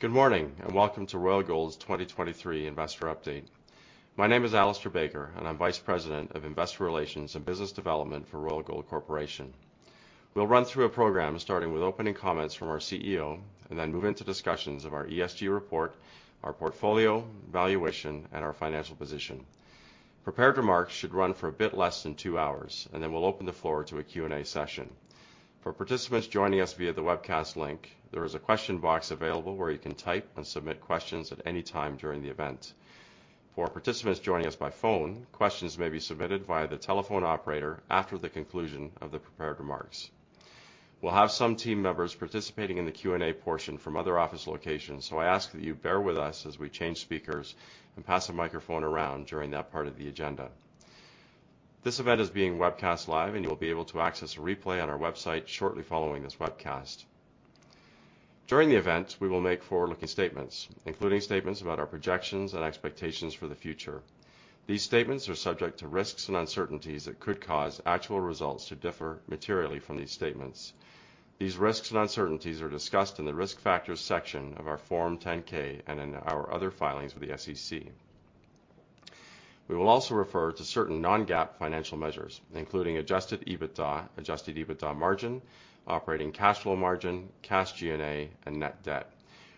Good morning, and welcome to Royal Gold's 2023 investor update. My name is Alistair Baker, and I'm Vice President of Investor Relations and Business Development for Royal Gold, Inc. We'll run through a program starting with opening comments from our CEO and then move into discussions of our ESG report, our portfolio, valuation, and our financial position. Prepared remarks should run for a bit less than two hours, and then we'll open the floor to a Q&A session. For participants joining us via the webcast link, there is a question box available where you can type and submit questions at any time during the event. For participants joining us by phone, questions may be submitted via the telephone operator after the conclusion of the prepared remarks. We'll have some team members participating in the Q&A portion from other office locations, so I ask that you bear with us as we change speakers and pass the microphone around during that part of the agenda. This event is being webcast live, and you'll be able to access a replay on our website shortly following this webcast. During the event, we will make forward-looking statements, including statements about our projections and expectations for the future. These statements are subject to risks and uncertainties that could cause actual results to differ materially from these statements. These risks and uncertainties are discussed in the Risk Factors section of our Form 10-K and in our other filings with the SEC. We will also refer to certain non-GAAP financial measures, including adjusted EBITDA, adjusted EBITDA margin, operating cash flow margin, cash G&A, and net debt.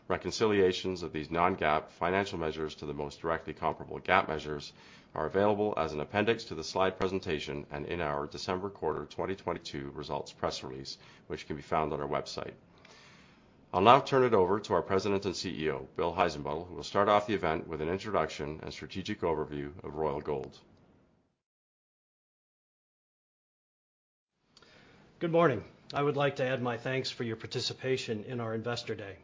Reconciliations of these non-GAAP financial measures to the most directly comparable GAAP measures are available as an appendix to the slide presentation and in our December quarter 2022 results press release, which can be found on our website. I'll now turn it over to our President and CEO, William Heissenbuttel, who will start off the event with an introduction and strategic overview of Royal Gold. Good morning. I would like to add my thanks for your participation in our investor day.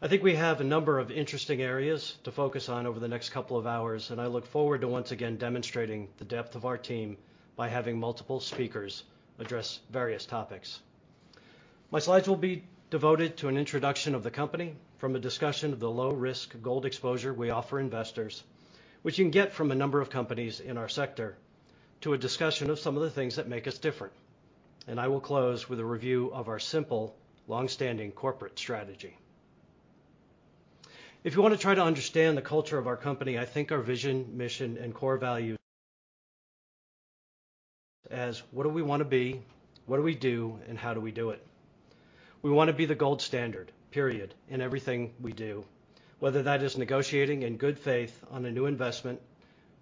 I think we have a number of interesting areas to focus on over the next couple of hours. I look forward to once again demonstrating the depth of our team by having multiple speakers address various topics. My slides will be devoted to an introduction of the company from a discussion of the low risk gold exposure we offer investors, which you can get from a number of companies in our sector, to a discussion of some of the things that make us different. I will close with a review of our simple longstanding corporate strategy. If you want to try to understand the culture of our company, I think our vision, mission, and core values as what do we want to be? What do we do, and how do we do it? We want to be the gold standard, period, in everything we do, whether that is negotiating in good faith on a new investment,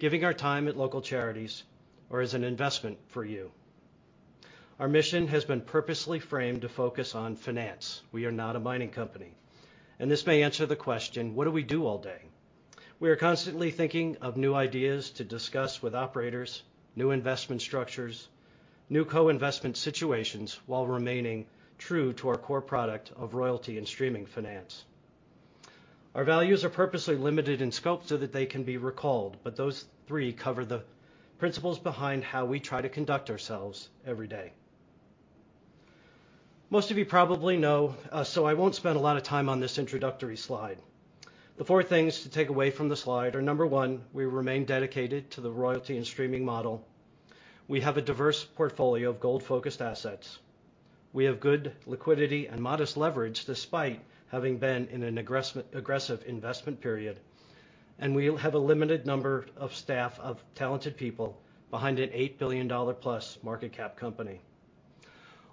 giving our time at local charities, or as an investment for you. Our mission has been purposely framed to focus on finance. We are not a mining company, and this may answer the question, what do we do all day? We are constantly thinking of new ideas to discuss with operators, new investment structures, new co-investment situations while remaining true to our core product of royalty and streaming finance. Our values are purposely limited in scope so that they can be recalled, but those three cover the principles behind how we try to conduct ourselves every day. Most of you probably know, I won't spend a lot of time on this introductory slide. The four things to take away from the slide are, number one, we remain dedicated to the royalty and streaming model. We have a diverse portfolio of gold-focused assets. We have good liquidity and modest leverage despite having been in an aggressive investment period. We have a limited number of staff of talented people behind an $8 billion+ market cap company.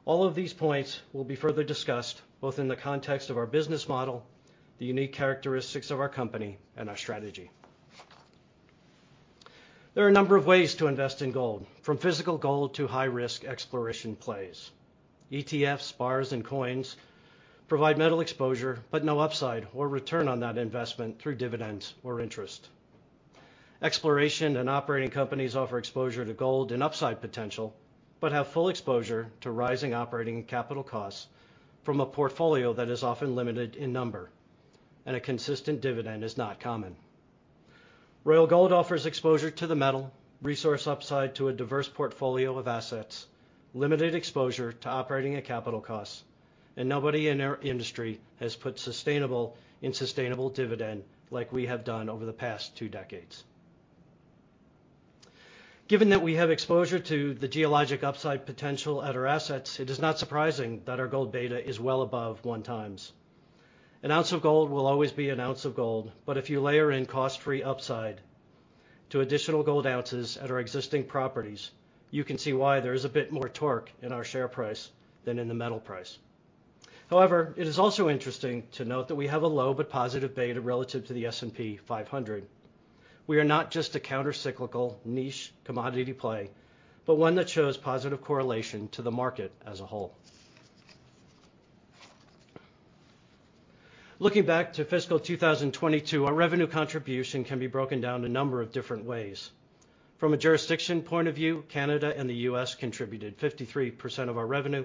All of these points will be further discussed, both in the context of our business model, the unique characteristics of our company, and our strategy. There are a number of ways to invest in gold, from physical gold to high risk exploration plays. ETFs, bars, and coins provide metal exposure but no upside or return on that investment through dividends or interest. Exploration and operating companies offer exposure to gold and upside potential but have full exposure to rising operating and capital costs from a portfolio that is often limited in number, and a consistent dividend is not common. Royal Gold offers exposure to the metal resource upside to a diverse portfolio of assets, limited exposure to operating and capital costs, and nobody in our industry has put sustainable and sustainable dividend like we have done over the past two decades. Given that we have exposure to the geologic upside potential at our assets, it is not surprising that our gold beta is well above one times. An ounce of gold will always be an ounce of gold, but if you layer in cost-free upside to additional gold ounces at our existing properties, you can see why there is a bit more torque in our share price than in the metal price. However, it is also interesting to note that we have a low but positive beta relative to the S&P 500. We are not just a counter-cyclical niche commodity play, but one that shows positive correlation to the market as a whole. Looking back to fiscal 2022, our revenue contribution can be broken down a number of different ways. From a jurisdiction point of view, Canada and the U.S. contributed 53% of our revenue,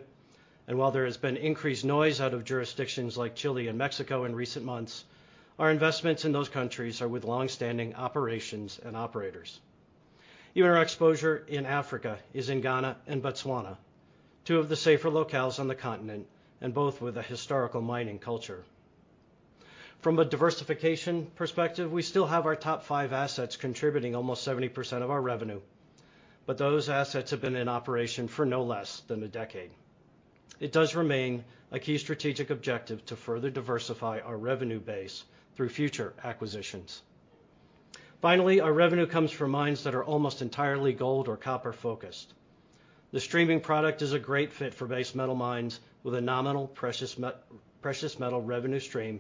and while there has been increased noise out of jurisdictions like Chile and Mexico in recent months, our investments in those countries are with longstanding operations and operators. Even our exposure in Africa is in Ghana and Botswana, two of the safer locales on the continent and both with a historical mining culture. From a diversification perspective, we still have our top five assets contributing almost 70% of our revenue. Those assets have been in operation for no less than a decade. It does remain a key strategic objective to further diversify our revenue base through future acquisitions. Our revenue comes from mines that are almost entirely gold or copper focused. The streaming product is a great fit for base metal mines with a nominal precious metal revenue stream.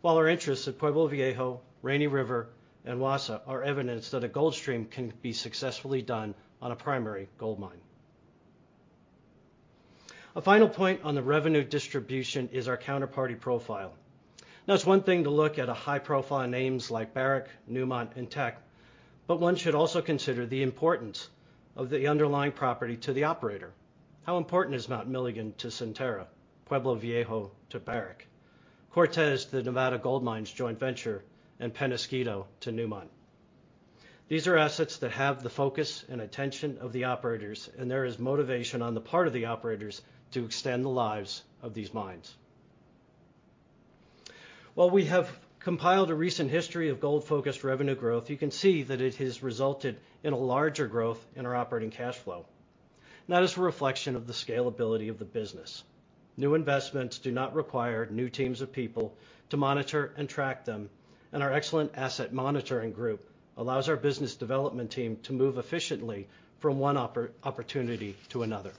While our interests at Pueblo Viejo, Rainy River, and Wassa are evidence that a gold stream can be successfully done on a primary gold mine. A final point on the revenue distribution is our counterparty profile. It's one thing to look at a high-profile names like Barrick, Newmont, and Teck, but one should also consider the importance of the underlying property to the operator. How important is Mount Milligan to Centerra, Pueblo Viejo to Barrick, Cortez to Nevada Gold Mines joint venture, and Peñasquito to Newmont? There is motivation on the part of the operators to extend the lives of these mines. While we have compiled a recent history of gold-focused revenue growth, you can see that it has resulted in a larger growth in our operating cash flow. That is a reflection of the scalability of the business. New investments do not require new teams of people to monitor and track them, our excellent asset monitoring group allows our business development team to move efficiently from one opportunity to another.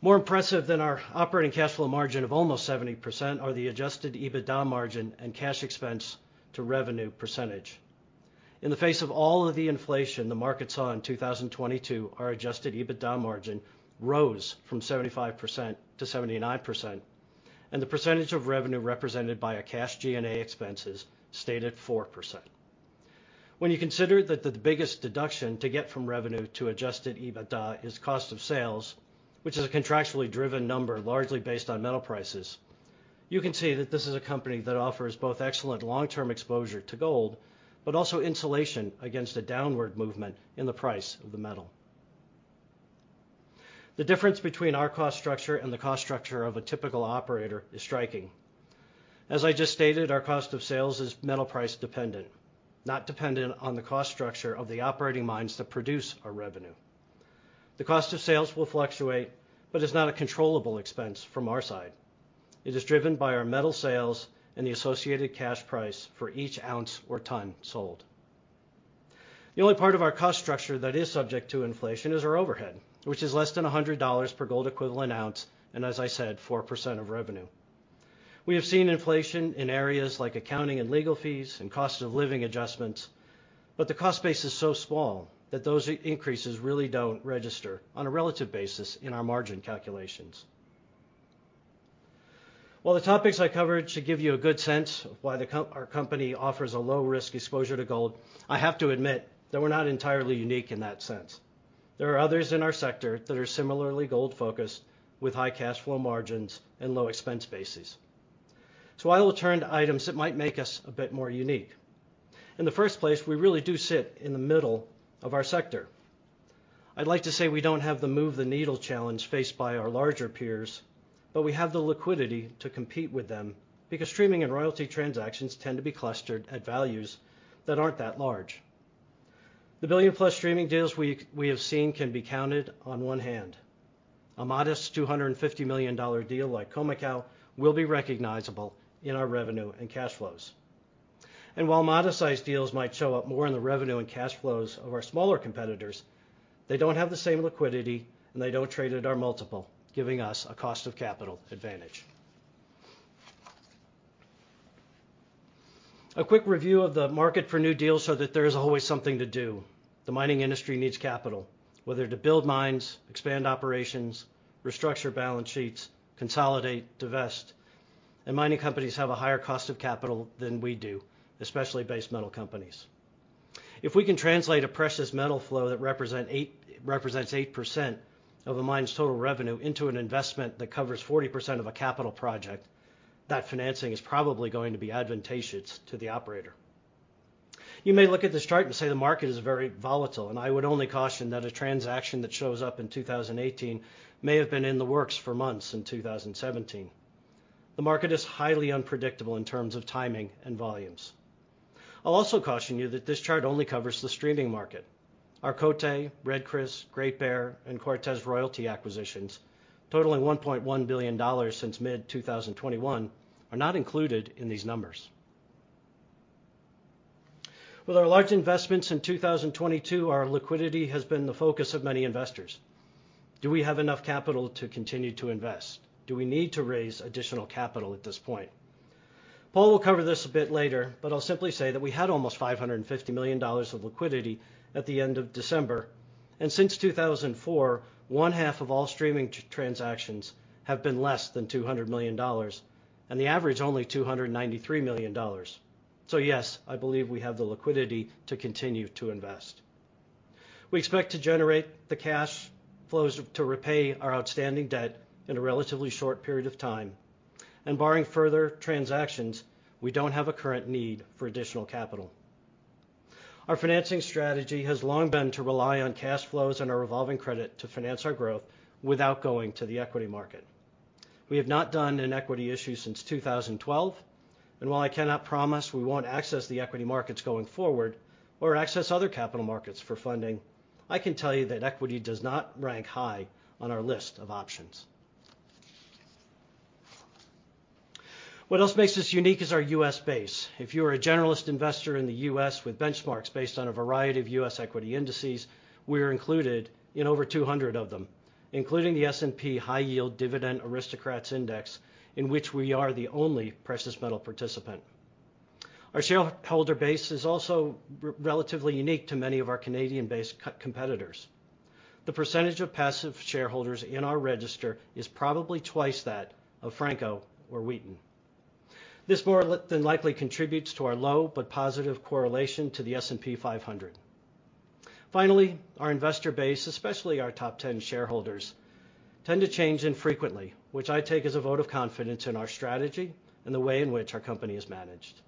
More impressive than our operating cash flow margin of almost 70% are the adjusted EBITDA margin and cash expense to revenue percentage. In the face of all of the inflation the market saw in 2022, our adjusted EBITDA margin rose from 75%-79%, and the percentage of revenue represented by a cash G&A expenses stayed at 4%. When you consider that the biggest deduction to get from revenue to adjusted EBITDA is cost of sales, which is a contractually driven number largely based on metal prices, you can see that this is a company that offers both excellent long-term exposure to gold, but also insulation against a downward movement in the price of the metal. The difference between our cost structure and the cost structure of a typical operator is striking. As I just stated, our cost of sales is metal price dependent, not dependent on the cost structure of the operating mines that produce our revenue. The cost of sales will fluctuate, but it's not a controllable expense from our side. It is driven by our metal sales and the associated cash price for each ounce or ton sold. The only part of our cost structure that is subject to inflation is our overhead, which is less than $100 per Gold Equivalent Ounce and, as I said, 4% of revenue. We have seen inflation in areas like accounting and legal fees and cost of living adjustments, but the cost base is so small that those increases really don't register on a relative basis in our margin calculations. While the topics I covered should give you a good sense of why our company offers a low-risk exposure to gold, I have to admit that we're not entirely unique in that sense. There are others in our sector that are similarly gold focused with high cash flow margins and low expense bases. I will turn to items that might make us a bit more unique. In the first place, we really do sit in the middle of our sector. I'd like to say we don't have the move the needle challenge faced by our larger peers, but we have the liquidity to compete with them because streaming and royalty transactions tend to be clustered at values that aren't that large. The billion-plus streaming deals we have seen can be counted on one hand. A modest $250 million deal like Khoemacau will be recognizable in our revenue and cash flows. While modest-sized deals might show up more in the revenue and cash flows of our smaller competitors, they don't have the same liquidity, and they don't trade at our multiple, giving us a cost of capital advantage. A quick review of the market for new deals show that there is always something to do. The mining industry needs capital, whether to build mines, expand operations, restructure balance sheets, consolidate, divest. Mining companies have a higher cost of capital than we do, especially base metal companies. If we can translate a precious metal flow that represents 8% of a mine's total revenue into an investment that covers 40% of a capital project, that financing is probably going to be advantageous to the operator. You may look at this chart and say the market is very volatile, and I would only caution that a transaction that shows up in 2018 may have been in the works for months in 2017. The market is highly unpredictable in terms of timing and volumes. I'll also caution you that this chart only covers the streaming market. Our Côté, Red Chris, Great Bear, and Cortez royalty acquisitions, totaling $1.1 billion since mid-2021, are not included in these numbers. With our large investments in 2022, our liquidity has been the focus of many investors. Do we have enough capital to continue to invest? Do we need to raise additional capital at this point? Paul will cover this a bit later, but I'll simply say that we had almost $550 million of liquidity at the end of December. Since 2004, one half of all streaming transactions have been less than $200 million, and the average only $293 million. Yes, I believe we have the liquidity to continue to invest. We expect to generate the cash flows to repay our outstanding debt in a relatively short period of time, and barring further transactions, we don't have a current need for additional capital. Our financing strategy has long been to rely on cash flows and our revolving credit to finance our growth without going to the equity market. We have not done an equity issue since 2012. While I cannot promise we won't access the equity markets going forward or access other capital markets for funding, I can tell you that equity does not rank high on our list of options. What else makes us unique is our U.S. base. If you are a generalist investor in the U.S. with benchmarks based on a variety of U.S. equity indices, we are included in over 200 of them, including the S&P High Yield Dividend Aristocrats Index, in which we are the only precious metal participant. Our shareholder base is also relatively unique to many of our Canadian-based competitors. The percentage of passive shareholders in our register is probably twice that of Franco or Wheaton. This more than likely contributes to our low but positive correlation to the S&P 500. Our investor base, especially our top 10 shareholders, tend to change infrequently, which I take as a vote of confidence in our strategy and the way in which our company is managed.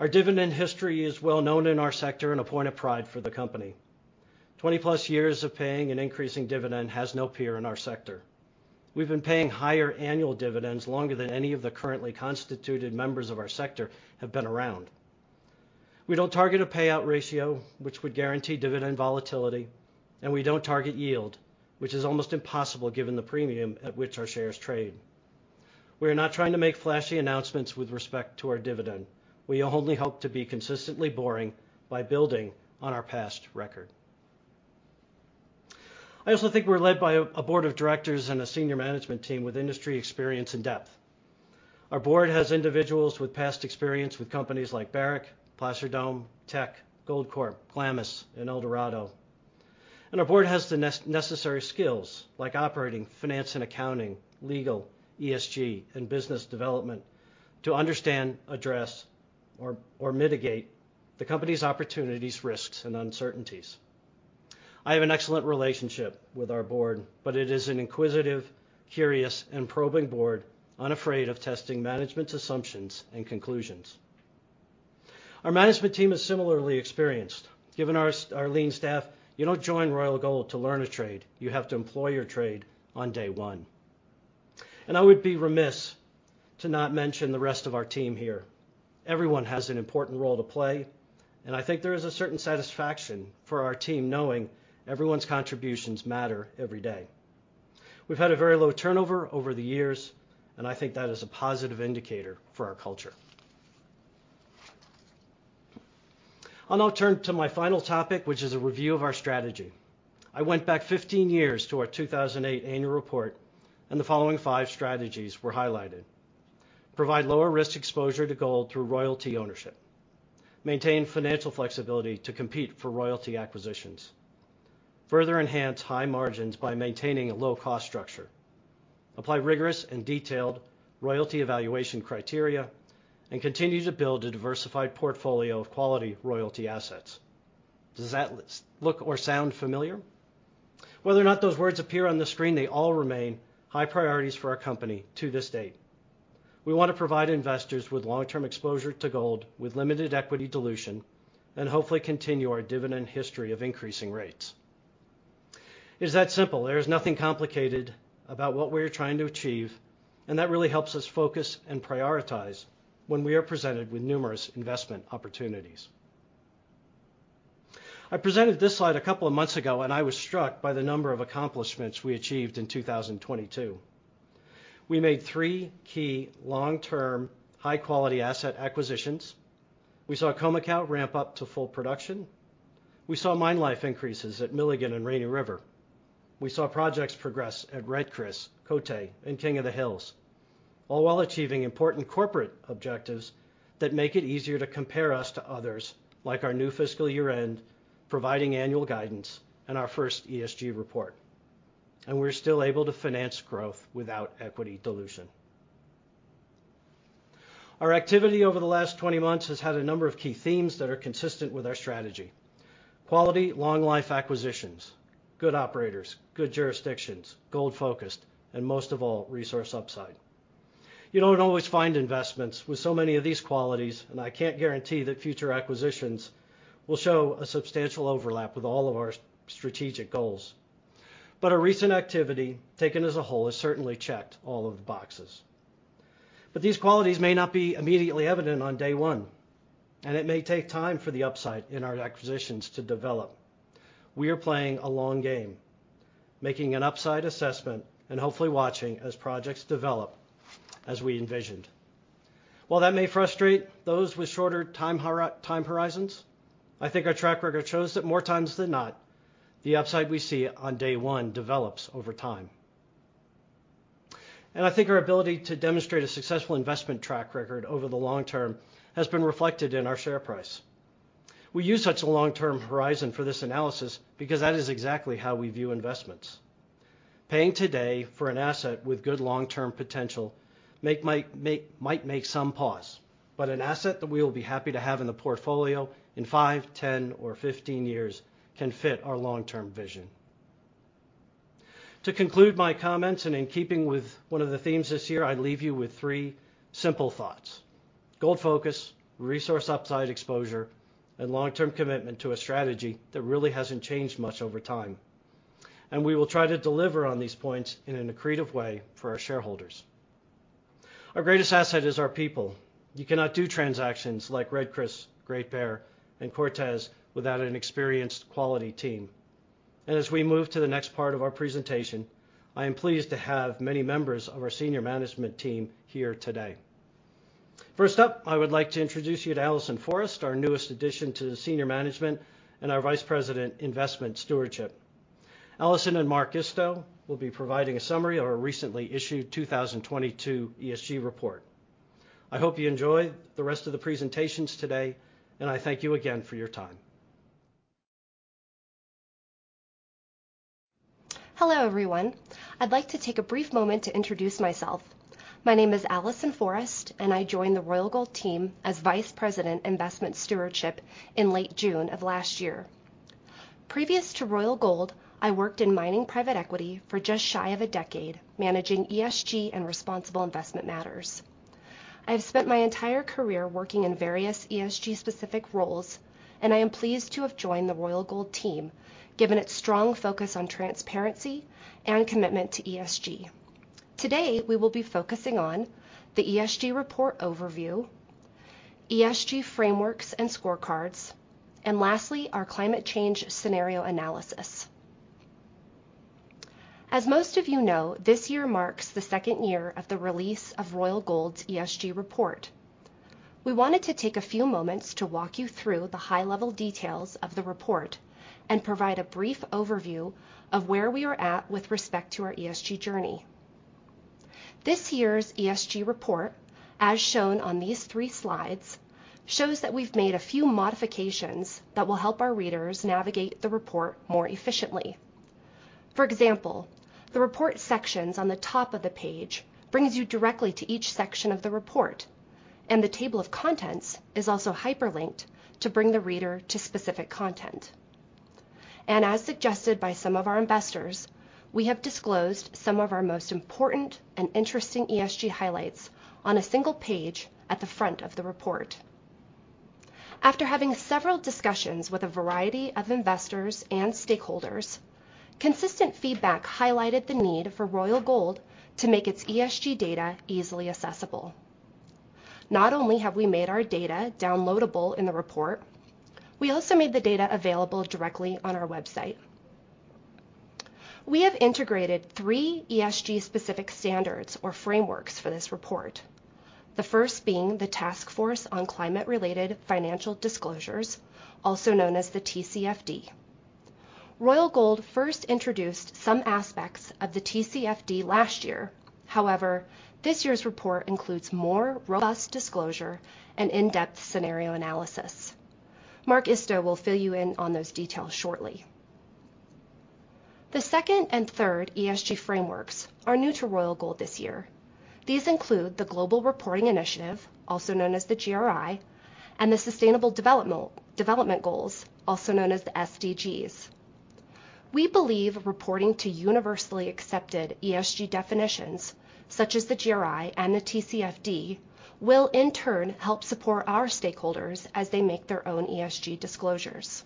Our dividend history is well known in our sector and a point of pride for the company. 20+ years of paying an increasing dividend has no peer in our sector. We've been paying higher annual dividends longer than any of the currently constituted members of our sector have been around. We don't target a payout ratio, which would guarantee dividend volatility, and we don't target yield, which is almost impossible given the premium at which our shares trade. We are not trying to make flashy announcements with respect to our dividend. We only hope to be consistently boring by building on our past record. I also think we're led by a board of directors and a senior management team with industry experience and depth. Our board has individuals with past experience with companies like Barrick, Placer Dome, Teck, Goldcorp, Klamas, and Eldorado. Our board has the necessary skills, like operating, finance and accounting, legal, ESG, and business development to understand, address, or mitigate the company's opportunities, risks, and uncertainties. I have an excellent relationship with our board, but it is an inquisitive, curious, and probing board, unafraid of testing management's assumptions and conclusions. Our management team is similarly experienced. Given our lean staff, you don't join Royal Gold to learn a trade. You have to employ your trade on day one. I would be remiss to not mention the rest of our team here. Everyone has an important role to play. I think there is a certain satisfaction for our team knowing everyone's contributions matter every day. We've had a very low turnover over the years. I think that is a positive indicator for our culture. I'll now turn to my final topic, which is a review of our strategy. I went back 15 years to our 2008 annual report. The following five strategies were highlighted, provide lower risk exposure to gold through royalty ownership, maintain financial flexibility to compete for royalty acquisitions, further enhance high margins by maintaining a low cost structure, apply rigorous and detailed royalty evaluation criteria, and continue to build a diversified portfolio of quality royalty assets. Does that look or sound familiar? Whether or not those words appear on the screen, they all remain high priorities for our company to this date. We wanna provide investors with long-term exposure to gold with limited equity dilution and hopefully continue our dividend history of increasing rates. It is that simple. There is nothing complicated about what we are trying to achieve. That really helps us focus and prioritize when we are presented with numerous investment opportunities. I presented this slide a couple of months ago, I was struck by the number of accomplishments we achieved in 2022. We made three key long-term high-quality asset acquisitions. We saw Khoemacau ramp up to full production. We saw mine life increases at Milligan and Rainy River. We saw projects progress at Red Chris, Côté, and King of the Hills, all while achieving important corporate objectives that make it easier to compare us to others, like our new fiscal year end, providing annual guidance, and our first ESG report. We're still able to finance growth without equity dilution. Our activity over the last 20 months has had a number of key themes that are consistent with our strategy. Quality, long-life acquisitions, good operators, good jurisdictions, gold-focused, and most of all, resource upside. You don't always find investments with so many of these qualities, and I can't guarantee that future acquisitions will show a substantial overlap with all of our strategic goals. Our recent activity, taken as a whole, has certainly checked all of the boxes. These qualities may not be immediately evident on day one, and it may take time for the upside in our acquisitions to develop. We are playing a long game, making an upside assessment and hopefully watching as projects develop as we envisioned. While that may frustrate those with shorter time horizons, I think our track record shows that more times than not, the upside we see on day 1 develops over time. I think our ability to demonstrate a successful investment track record over the long term has been reflected in our share price. We use such a long-term horizon for this analysis because that is exactly how we view investments. Paying today for an asset with good long-term potential might make some pause. An asset that we will be happy to have in the portfolio in 5, 10, or 15 years can fit our long-term vision. To conclude my comments, and in keeping with one of the themes this year, I leave you with three simple thoughts. Gold focus, resource upside exposure, and long-term commitment to a strategy that really hasn't changed much over time. We will try to deliver on these points in an accretive way for our shareholders. Our greatest asset is our people. You cannot do transactions like Red Chris, Great Bear, and Cortez without an experienced quality team. As we move to the next part of our presentation, I am pleased to have many members of our senior management team here today. First up, I would like to introduce you to Allison Forrest, our newest addition to the senior management and our Vice President, Investment Stewardship. Allison and Mark Isto will be providing a summary of our recently issued 2022 ESG report. I hope you enjoy the rest of the presentations today, and I thank you again for your time. Hello, everyone. I'd like to take a brief moment to introduce myself. My name is Allison Forrest. I joined the Royal Gold team as Vice President, Investment Stewardship in late June of last year. Previous to Royal Gold, I worked in mining private equity for just shy of a decade, managing ESG and responsible investment matters. I have spent my entire career working in various ESG-specific roles. I am pleased to have joined the Royal Gold team, given its strong focus on transparency and commitment to ESG. Today, we will be focusing on the ESG report overview, ESG frameworks and scorecards, lastly, our climate change scenario analysis. As most of you know, this year marks the second year of the release of Royal Gold's ESG report. We wanted to take a few moments to walk you through the high-level details of the report and provide a brief overview of where we are at with respect to our ESG journey. This year's ESG report, as shown on these three slides, shows that we've made a few modifications that will help our readers navigate the report more efficiently. For example, the report sections on the top of the page brings you directly to each section of the report, and the table of contents is also hyperlinked to bring the reader to specific content. As suggested by some of our investors, we have disclosed some of our most important and interesting ESG highlights on a single page at the front of the report. After having several discussions with a variety of investors and stakeholders, consistent feedback highlighted the need for Royal Gold to make its ESG data easily accessible. Not only have we made our data downloadable in the report, we also made the data available directly on our website. We have integrated three ESG-specific standards or frameworks for this report. The first being the Task Force on Climate-related Financial Disclosures, also known as the TCFD. Royal Gold first introduced some aspects of the TCFD last year. However, this year's report includes more robust disclosure and in-depth scenario analysis. Mark Isto will fill you in on those details shortly. The second and third ESG frameworks are new to Royal Gold this year. These include the Global Reporting Initiative, also known as the GRI, and the Sustainable Development Goals, also known as the SDGs. We believe reporting to universally accepted ESG definitions such as the GRI and the TCFD will in turn help support our stakeholders as they make their own ESG disclosures.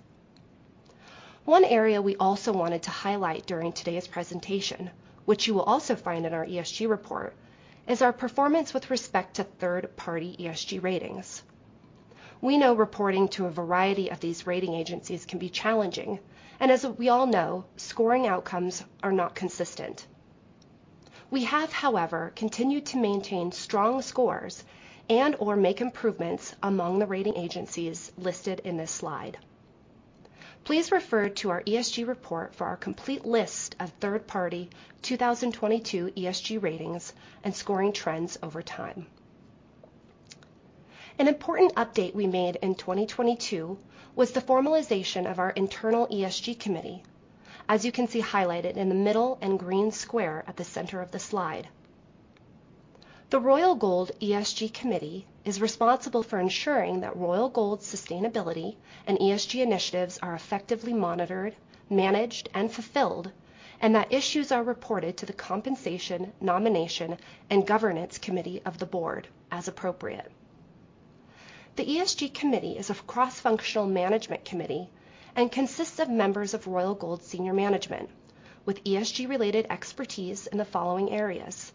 One area we also wanted to highlight during today's presentation, which you will also find in our ESG report, is our performance with respect to third-party ESG ratings. We know reporting to a variety of these rating agencies can be challenging, and as we all know, scoring outcomes are not consistent. We have, however, continued to maintain strong scores and/or make improvements among the rating agencies listed in this slide. Please refer to our ESG report for our complete list of third-party 2022 ESG ratings and scoring trends over time. An important update we made in 2022 was the formalization of our internal ESG committee. As you can see highlighted in the middle and green square at the center of the slide. The Royal Gold ESG committee is responsible for ensuring that Royal Gold sustainability and ESG initiatives are effectively monitored, managed, and fulfilled, and that issues are reported to the Compensation, Nomination and Governance Committee of the board as appropriate. The ESG committee is a cross-functional management committee and consists of members of Royal Gold senior management with ESG-related expertise in the following areas: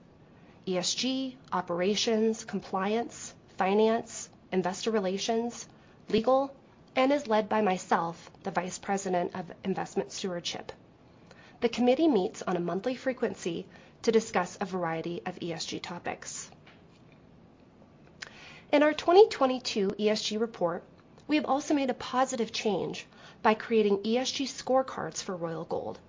ESG, operations, compliance, finance, investor relations, legal, and is led by myself, the Vice President of Investment Stewardship. The committee meets on a monthly frequency to discuss a variety of ESG topics. In our 2022 ESG report, we have also made a positive change by creating ESG scorecards for Royal Gold.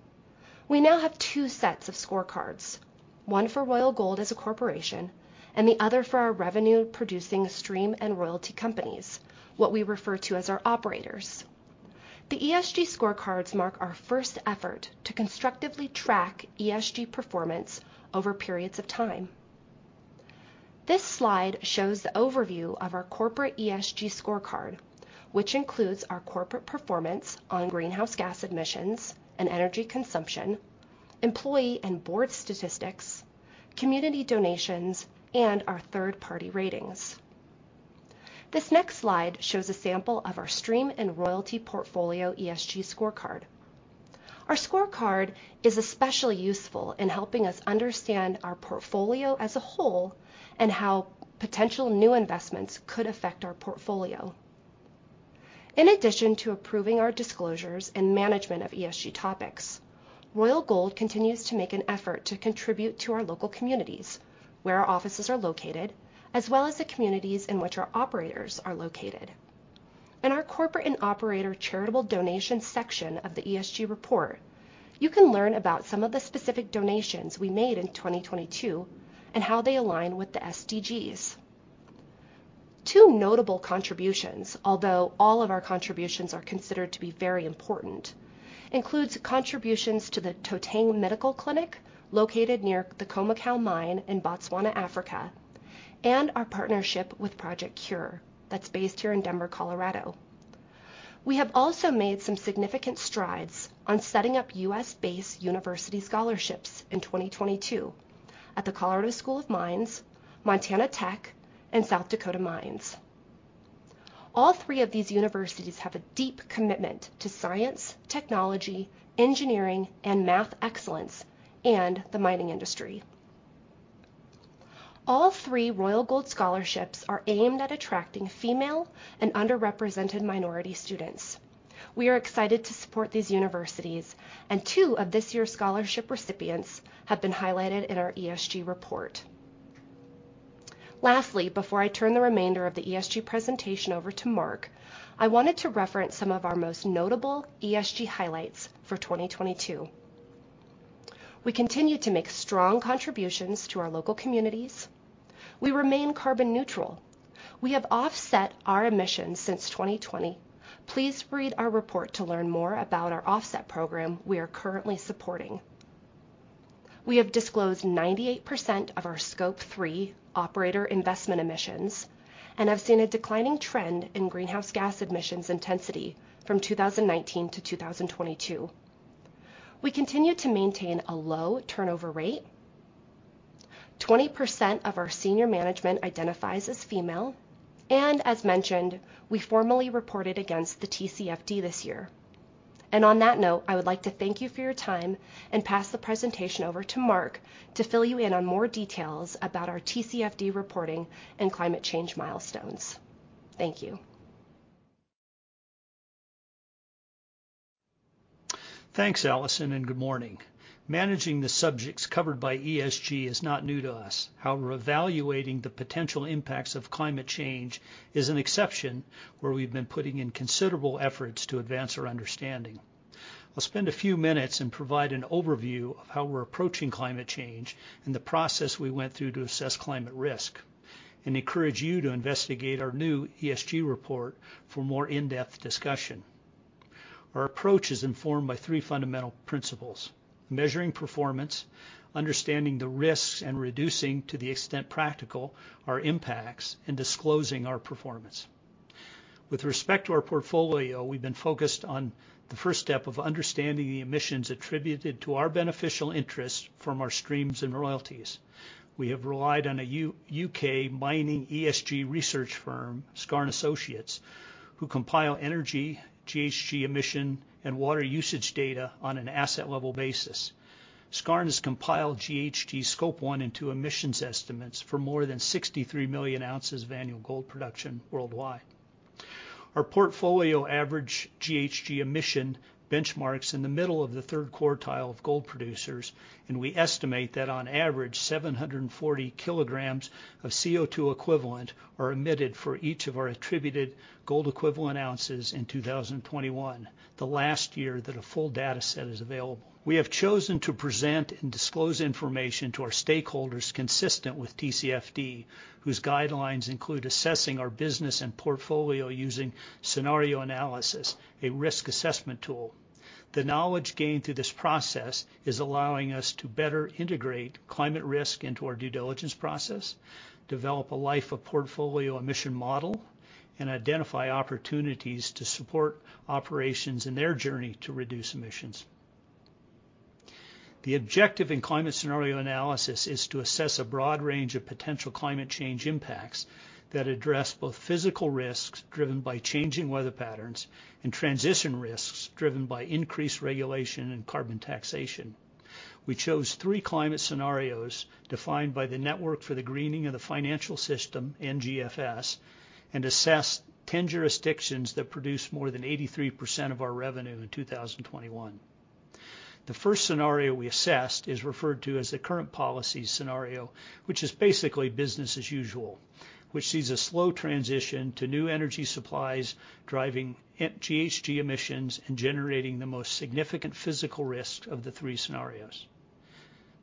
We now have two sets of scorecards, one for Royal Gold as a corporation and the other for our revenue-producing stream and royalty companies, what we refer to as our operators. The ESG scorecards mark our first effort to constructively track ESG performance over periods of time. This slide shows the overview of our corporate ESG scorecard, which includes our corporate performance on greenhouse gas emissions and energy consumption, employee and board statistics, community donations, and our third-party ratings. This next slide shows a sample of our stream and royalty portfolio ESG scorecard. Our scorecard is especially useful in helping us understand our portfolio as a whole and how potential new investments could affect our portfolio. In addition to approving our disclosures and management of ESG topics, Royal Gold continues to make an effort to contribute to our local communities where our offices are located, as well as the communities in which our operators are located. In our corporate and operator charitable donations section of the ESG report, you can learn about some of the specific donations we made in 2022 and how they align with the SDGs. Two notable contributions, although all of our contributions are considered to be very important, includes contributions to the Toteng Medical Clinic located near the Khoemacau Mine in Botswana, Africa, and our partnership with Project C.U.R.E. that's based here in Denver, Colorado. We have also made some significant strides on setting up U.S.-based university scholarships in 2022 at the Colorado School of Mines, Montana Tech, and South Dakota Mines. All three of these universities have a deep commitment to science, technology, engineering, and math excellence in the mining industry. All three Royal Gold scholarships are aimed at attracting female and underrepresented minority students. We are excited to support these universities, and two of this year's scholarship recipients have been highlighted in our ESG report. Lastly, before I turn the remainder of the ESG presentation over to Mark, I wanted to reference some of our most notable ESG highlights for 2022. We continue to make strong contributions to our local communities. We remain carbon neutral. We have offset our emissions since 2020. Please read our report to learn more about our offset program we are currently supporting. We have disclosed 98% of our Scope 3 operator investment emissions and have seen a declining trend in greenhouse gas emissions intensity from 2019-2022. We continue to maintain a low turnover rate. 20% of our senior management identifies as female. As mentioned, we formally reported against the TCFD this year. On that note, I would like to thank you for your time and pass the presentation over to Mark to fill you in on more details about our TCFD reporting and climate change milestones. Thank you. Thanks, Allison. Good morning. Managing the subjects covered by ESG is not new to us. However, evaluating the potential impacts of climate change is an exception where we've been putting in considerable efforts to advance our understanding. I'll spend a few minutes and provide an overview of how we're approaching climate change and the process we went through to assess climate risk and encourage you to investigate our new ESG report for more in-depth discussion. Our approach is informed by three fundamental principles. Measuring performance, understanding the risks, and reducing to the extent practical our impacts and disclosing our performance. With respect to our portfolio, we've been focused on the first step of understanding the emissions attributed to our beneficial interests from our streams and royalties. We have relied on a U.K. mining ESG research firm, Skarn Associates, who compile energy, GHG emission, and water usage data on an asset level basis. Skarn has compiled GHG Scope 1 and 2 emissions estimates for more than 63 million ounces of annual gold production worldwide. Our portfolio average GHG emission benchmarks in the middle of the third quartile of gold producers. We estimate that on average, 740 kg of CO₂ equivalent are emitted for each of our attributed gold equivalent ounces in 2021, the last year that a full data set is available. We have chosen to present and disclose information to our stakeholders consistent with TCFD, whose guidelines include assessing our business and portfolio using scenario analysis, a risk assessment tool. The knowledge gained through this process is allowing us to better integrate climate risk into our due diligence process, develop a life of portfolio emission model, and identify opportunities to support operations in their journey to reduce emissions. The objective in climate scenario analysis is to assess a broad range of potential climate change impacts that address both physical risks driven by changing weather patterns and transition risks driven by increased regulation and carbon taxation. We chose three climate scenarios defined by the Network for Greening the Financial System, NGFS, and assessed 10 jurisdictions that produce more than 83% of our revenue in 2021. The first scenario we assessed is referred to as the current policy scenario, which is basically business as usual, which sees a slow transition to new energy supplies, driving GHG emissions and generating the most significant physical risk of the three scenarios.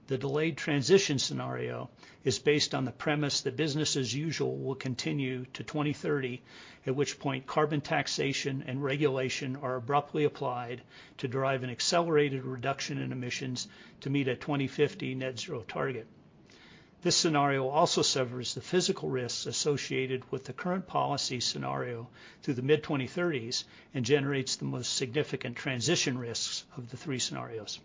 The delayed transition scenario is based on the premise that business as usual will continue to 2030, at which point carbon taxation and regulation are abruptly applied to drive an accelerated reduction in emissions to meet a 2050 net zero target. This scenario also severs the physical risks associated with the current policy scenario through the mid 2030s and generates the most significant transition risks of the three scenarios.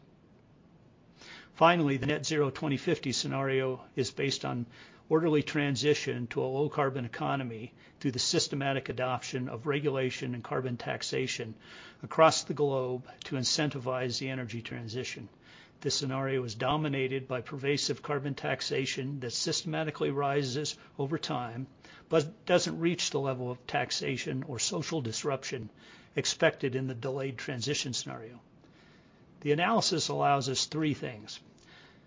The net zero 2050 scenario is based on orderly transition to a low carbon economy through the systematic adoption of regulation and carbon taxation across the globe to incentivize the energy transition. This scenario is dominated by pervasive carbon taxation that systematically rises over time, but doesn't reach the level of taxation or social disruption expected in the delayed transition scenario. The analysis allows us three things,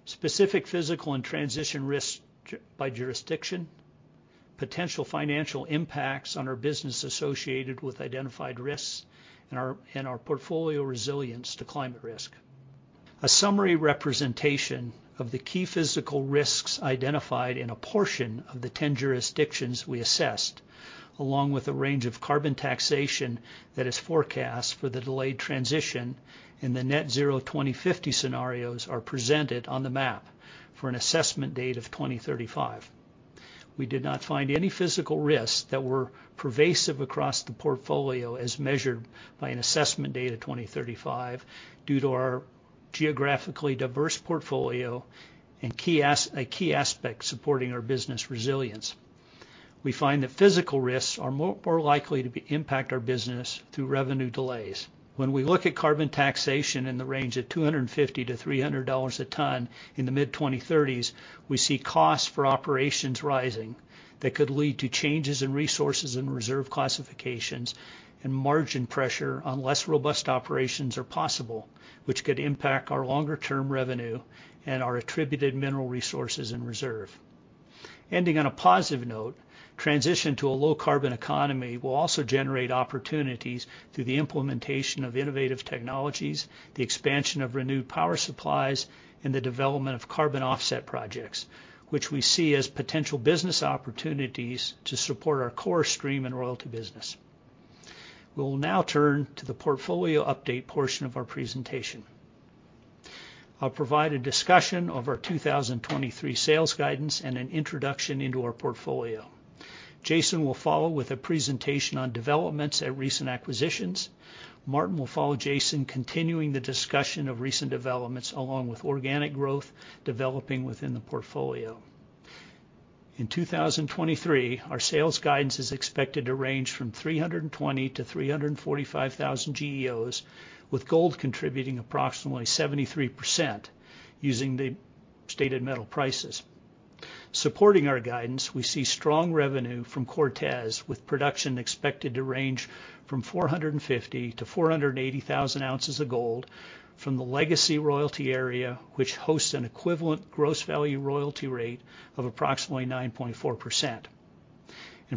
specific physical and transition risks by jurisdiction, potential financial impacts on our business associated with identified risks and our portfolio resilience to climate risk. A summary representation of the key physical risks identified in a portion of the 10 jurisdictions we assessed, along with a range of carbon taxation that is forecast for the delayed transition in the net zero 2050 scenarios are presented on the map for an assessment date of 2035. We did not find any physical risks that were pervasive across the portfolio as measured by an assessment date of 2035 due to our geographically diverse portfolio and a key aspect supporting our business resilience. We find that physical risks are more likely to impact our business through revenue delays. When we look at carbon taxation in the range of $250-$300 a ton in the mid-2030s, we see costs for operations rising that could lead to changes in resources and reserve classifications and margin pressure on less robust operations are possible, which could impact our longer-term revenue and our attributed mineral resources and reserve. Ending on a positive note, transition to a low carbon economy will also generate opportunities through the implementation of innovative technologies, the expansion of renewed power supplies, and the development of carbon offset projects, which we see as potential business opportunities to support our core stream and royalty business. We will now turn to the portfolio update portion of our presentation. I'll provide a discussion of our 2023 sales guidance and an introduction into our portfolio. Jason will follow with a presentation on developments at recent acquisitions. Martin will follow Jason, continuing the discussion of recent developments along with organic growth developing within the portfolio. In 2023, our sales guidance is expected to range from 320-345,000 GEOs, with gold contributing approximately 73% using the stated metal prices. Supporting our guidance, we see strong revenue from Cortez, with production expected to range from 450,000-480,000 ounces of gold from the legacy royalty area, which hosts an equivalent gross value royalty rate of approximately 9.4%.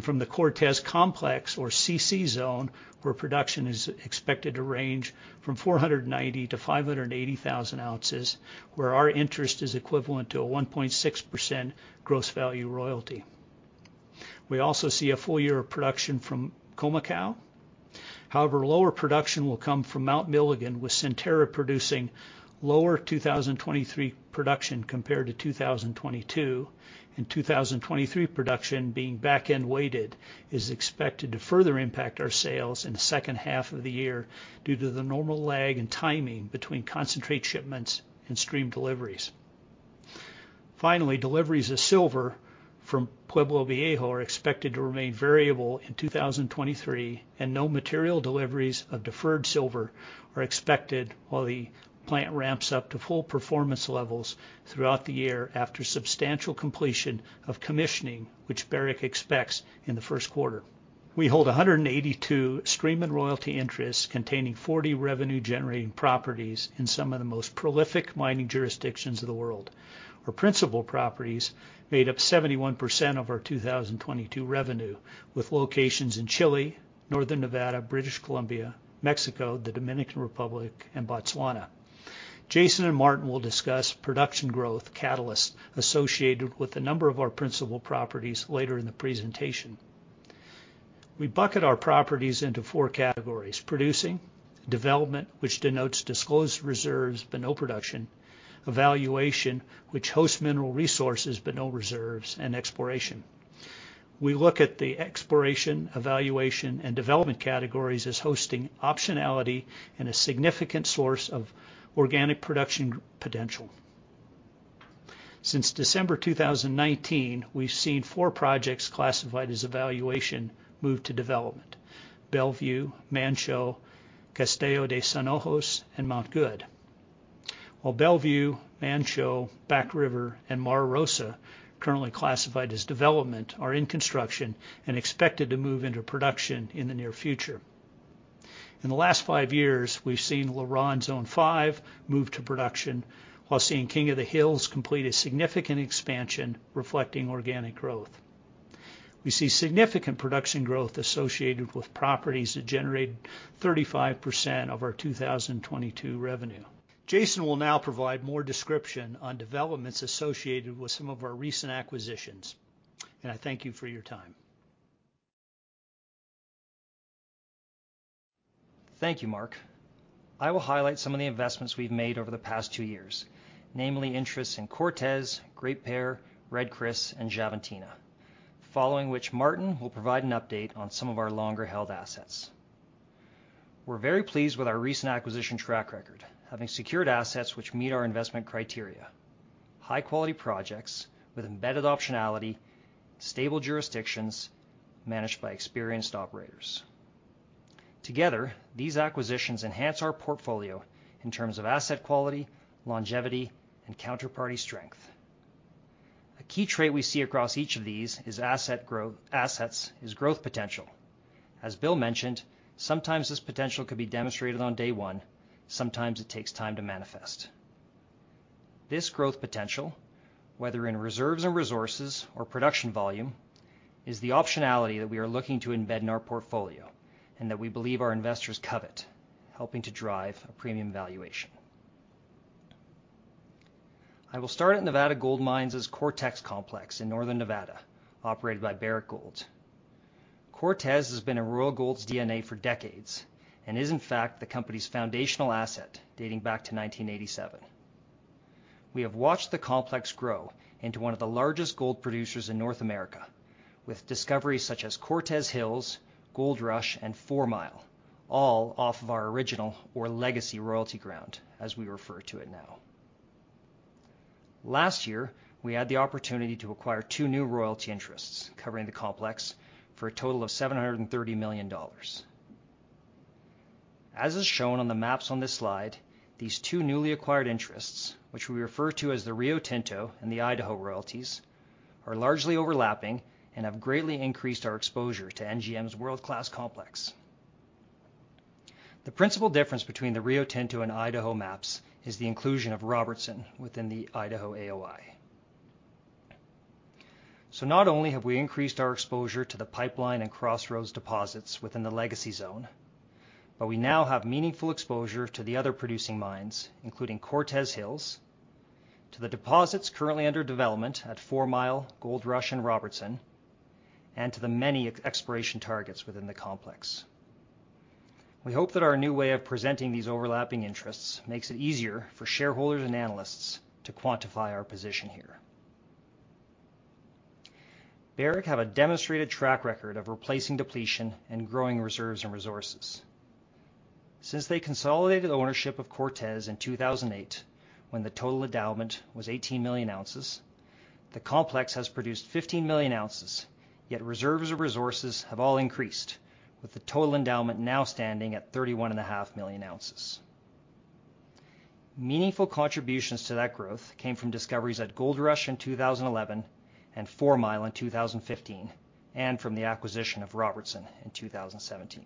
From the Cortez Complex or CC zone, where production is expected to range from 490,000-580,000 ounces, where our interest is equivalent to a 1.6% gross value royalty. We also see a full year of production from Khoemacau. Lower production will come from Mount Milligan, with Centerra producing lower 2023 production compared to 2022, and 2023 production being back-end weighted is expected to further impact our sales in the H2 of the year due to the normal lag in timing between concentrate shipments and stream deliveries. Deliveries of silver from Pueblo Viejo are expected to remain variable in 2023, and no material deliveries of deferred silver are expected while the plant ramps up to full performance levels throughout the year after substantial completion of commissioning, which Barrick expects in the Q1. We hold 182 stream and royalty interests containing 40 revenue generating properties in some of the most prolific mining jurisdictions of the world. Our principal properties made up 71% of our 2022 revenue, with locations in Chile, Northern Nevada, British Columbia, Mexico, the Dominican Republic and Botswana. Jason and Martin will discuss production growth catalysts associated with a number of our principal properties later in the presentation. We bucket our properties into four categories, producing, development, which denotes disclosed reserves but no production, evaluation, which hosts mineral resources but no reserves, and exploration. We look at the exploration, evaluation, and development categories as hosting optionality and a significant source of organic production potential. Since December 2019, we've seen four projects classified as evaluation move to development, Bellevue, Manh Choh, Castelo De Sonhos and Mt Goode. While Bellevue, Manh Choh, Back River and Mara Rosa, currently classified as development, are in construction and expected to move into production in the near future. In the last five years, we've seen LaRonde Zone 5 move to production while seeing King of the Hills complete a significant expansion reflecting organic growth. We see significant production growth associated with properties that generate 35% of our 2022 revenue. Jason will now provide more description on developments associated with some of our recent acquisitions. I thank you for your time. Thank you, Mark. I will highlight some of the investments we've made over the past two years, namely interests in Cortez, Great Bear, Red Chris, and Javelina, following which Martin will provide an update on some of our longer-held assets. We're very pleased with our recent acquisition track record, having secured assets which meet our investment criteria. High-quality projects with embedded optionality, stable jurisdictions managed by experienced operators. Together, these acquisitions enhance our portfolio in terms of asset quality, longevity, and counterparty strength. A key trait we see across each of these assets is growth potential. As Bill mentioned, sometimes this potential could be demonstrated on day one. Sometimes it takes time to manifest. This growth potential, whether in reserves and resources or production volume, is the optionality that we are looking to embed in our portfolio and that we believe our investors covet, helping to drive a premium valuation. I will start at Nevada Gold Mines' Cortez complex in northern Nevada, operated by Barrick Gold. Cortez has been in Royal Gold's DNA for decades and is, in fact, the company's foundational asset dating back to 1987. We have watched the complex grow into one of the largest gold producers in North America with discoveries such as Cortez Hills, Gold Rush, and Four Mile, all off of our original or legacy royalty ground as we refer to it now. Last year, we had the opportunity to acquire two new royalty interests covering the complex for a total of $730 million. As is shown on the maps on this slide, these two newly acquired interests, which we refer to as the Rio Tinto and the Idaho royalties, are largely overlapping and have greatly increased our exposure to NGM's world-class complex. The principal difference between the Rio Tinto and Idaho maps is the inclusion of Robertson within the Idaho AOI. Not only have we increased our exposure to the Pipeline and Crossroads deposits within the legacy zone, but we now have meaningful exposure to the other producing mines, including Cortez Hills, to the deposits currently under development at Four Mile, Gold Rush, and Robertson, and to the many ex-exploration targets within the complex. We hope that our new way of presenting these overlapping interests makes it easier for shareholders and analysts to quantify our position here. Barrick have a demonstrated track record of replacing depletion and growing reserves and resources. Since they consolidated ownership of Cortez in 2008, when the total endowment was 18 million ounces, the complex has produced 15 million ounces, yet reserves of resources have all increased, with the total endowment now standing at 31.5 million ounces. Meaningful contributions to that growth came from discoveries at Gold Rush in 2011 and Four Mile in 2015 and from the acquisition of Robertson in 2017.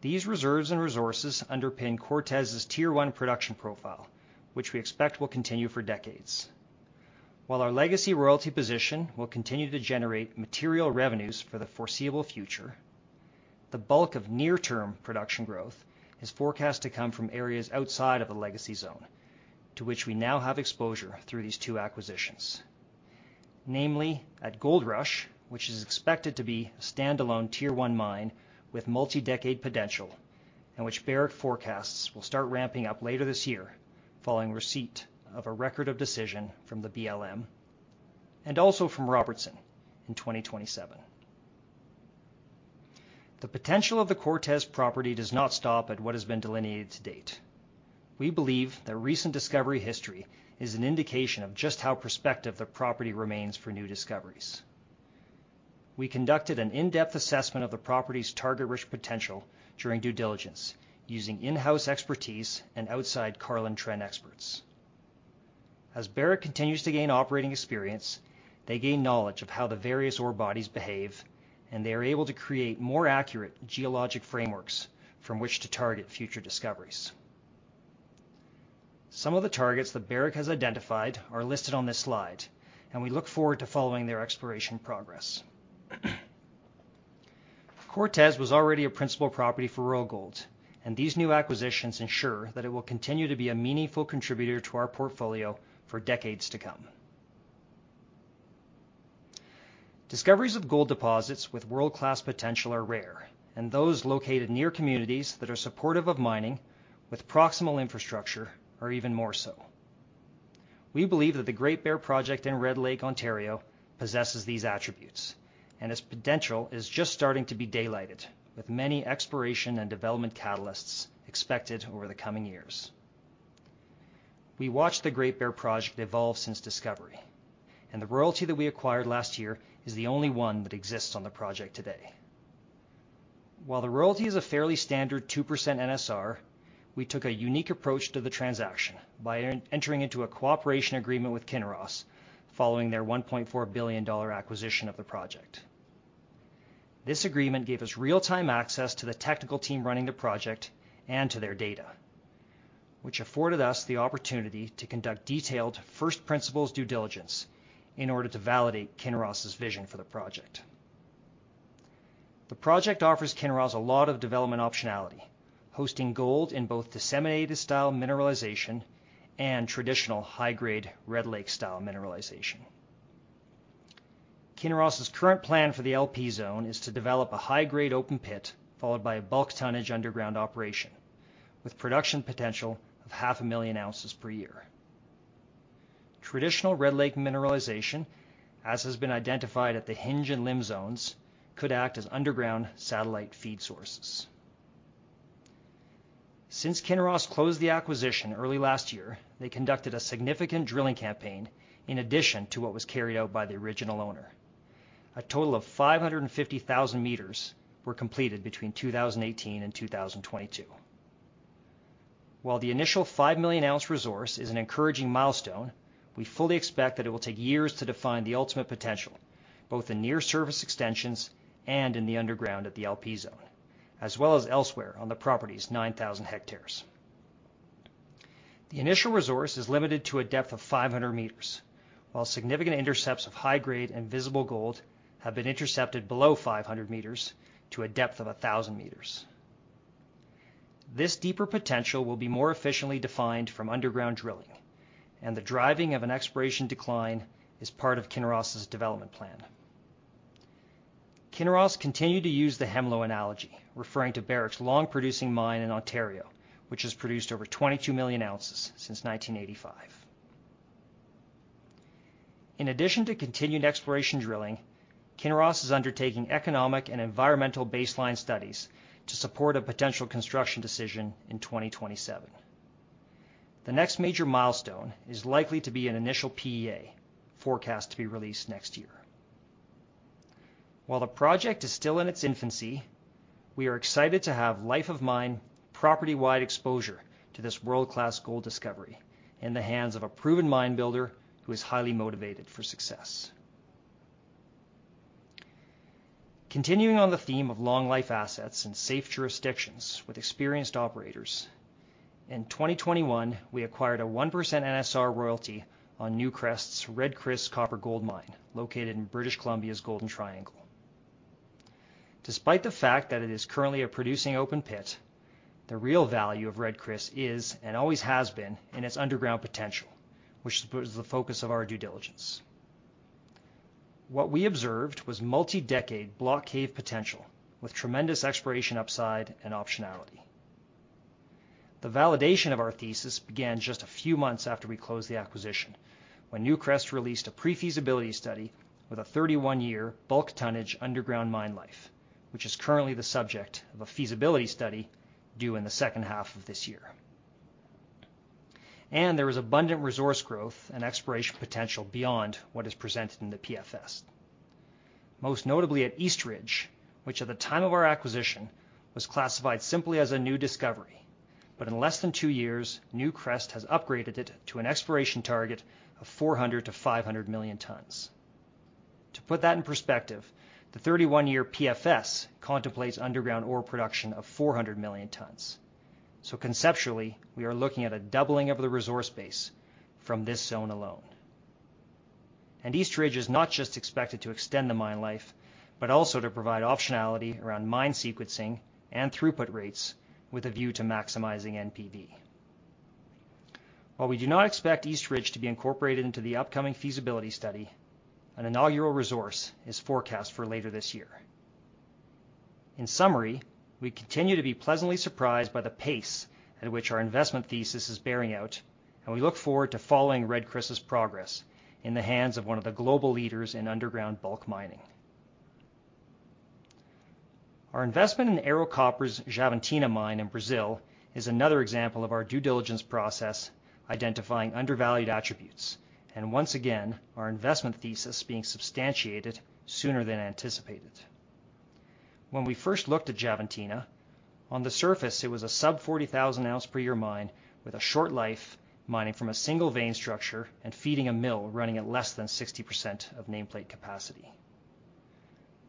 These reserves and resources underpin Cortez's Tier 1 production profile, which we expect will continue for decades. While our legacy royalty position will continue to generate material revenues for the foreseeable future, the bulk of near-term production growth is forecast to come from areas outside of the legacy zone, to which we now have exposure through these two acquisitions. Namely at Gold Rush, which is expected to be a stand-alone Tier one mine with multi-decade potential and which Barrick forecasts will start ramping up later this year following receipt of a Record of Decision from the BLM, and also from Robertson in 2027. The potential of the Cortez property does not stop at what has been delineated to date. We believe the recent discovery history is an indication of just how prospective the property remains for new discoveries. We conducted an in-depth assessment of the property's target risk potential during due diligence using in-house expertise and outside Carlin Trend experts. As Barrick continues to gain operating experience, they gain knowledge of how the various ore bodies behave, and they are able to create more accurate geologic frameworks from which to target future discoveries. Some of the targets that Barrick has identified are listed on this slide, and we look forward to following their exploration progress. Cortez was already a principal property for Royal Gold, and these new acquisitions ensure that it will continue to be a meaningful contributor to our portfolio for decades to come. Discoveries of gold deposits with world-class potential are rare, and those located near communities that are supportive of mining with proximal infrastructure are even more so. We believe that the Great Bear project in Red Lake, Ontario, possesses these attributes, and its potential is just starting to be daylighted with many exploration and development catalysts expected over the coming years. We watched the Great Bear project evolve since discovery, and the royalty that we acquired last year is the only one that exists on the project today. While the royalty is a fairly standard 2% NSR, we took a unique approach to the transaction by entering into a cooperation agreement with Kinross following their $1.4 billion acquisition of the project. This agreement gave us real-time access to the technical team running the project and to their data, which afforded us the opportunity to conduct detailed first principles due diligence in order to validate Kinross's vision for the project. The project offers Kinross a lot of development optionality, hosting gold in both disseminated style mineralization and traditional high-grade Red Lake style mineralization. Kinross's current plan for the LP zone is to develop a high-grade open pit, followed by a bulk tonnage underground operation, with production potential of 500,000 ounces per year. Traditional Red Lake mineralization, as has been identified at the Hinge and Limb zones, could act as underground satellite feed sources. Since Kinross closed the acquisition early last year, they conducted a significant drilling campaign in addition to what was carried out by the original owner. A total of 550,000 meters were completed between 2018 and 2022. While the initial 5 million ounce resource is an encouraging milestone, we fully expect that it will take years to define the ultimate potential, both in near-surface extensions and in the underground at the LP zone, as well as elsewhere on the property's 9,000 hectares. The initial resource is limited to a depth of 500 meters, while significant intercepts of high-grade and visible gold have been intercepted below 500 meters to a depth of 1,000 meters. This deeper potential will be more efficiently defined from underground drilling, and the driving of an exploration decline is part of Kinross's development plan. Kinross continued to use the Hemlo analogy, referring to Barrick's long-producing mine in Ontario, which has produced over 22 million ounces since 1985. In addition to continued exploration drilling, Kinross is undertaking economic and environmental baseline studies to support a potential construction decision in 2027. The next major milestone is likely to be an initial PEA forecast to be released next year. While the project is still in its infancy, we are excited to have life-of-mine, property-wide exposure to this world-class gold discovery in the hands of a proven mine builder who is highly motivated for success. Continuing on the theme of long-life assets and safe jurisdictions with experienced operators, in 2021, we acquired a 1% NSR royalty on Newcrest's Red Chris copper-gold mine located in British Columbia's Golden Triangle. Despite the fact that it is currently a producing open pit, the real value of Red Chris is and always has been in its underground potential, which was the focus of our due diligence. What we observed was multi-decade block cave potential with tremendous exploration upside and optionality. The validation of our thesis began just a few months after we closed the acquisition, when Newcrest released a pre-feasibility study with a 31 year bulk tonnage underground mine life, which is currently the subject of a feasibility study due in the second half of this year. There is abundant resource growth and exploration potential beyond what is presented in the PFS. Most notably at East Ridge, which at the time of our acquisition was classified simply as a new discovery. In less than two years, Newcrest has upgraded it to an exploration target of 400 million-500 million tons. To put that in perspective, the 31-year PFS contemplates underground ore production of 400 million tons. Conceptually, we are looking at a doubling of the resource base from this zone alone. East Ridge is not just expected to extend the mine life, but also to provide optionality around mine sequencing and throughput rates with a view to maximizing NPV. While we do not expect East Ridge to be incorporated into the upcoming feasibility study, an inaugural resource is forecast for later this year. In summary, we continue to be pleasantly surprised by the pace at which our investment thesis is bearing out, and we look forward to following Red Chris's progress in the hands of one of the global leaders in underground bulk mining. Our investment in Ero Copper's Xavantina mine in Brazil is another example of our due diligence process identifying undervalued attributes. Once again, our investment thesis being substantiated sooner than anticipated. When we first looked at Xavantina, on the surface it was a sub 40,000 ounce per year mine with a short life mining from a single vein structure and feeding a mill running at less than 60% of nameplate capacity.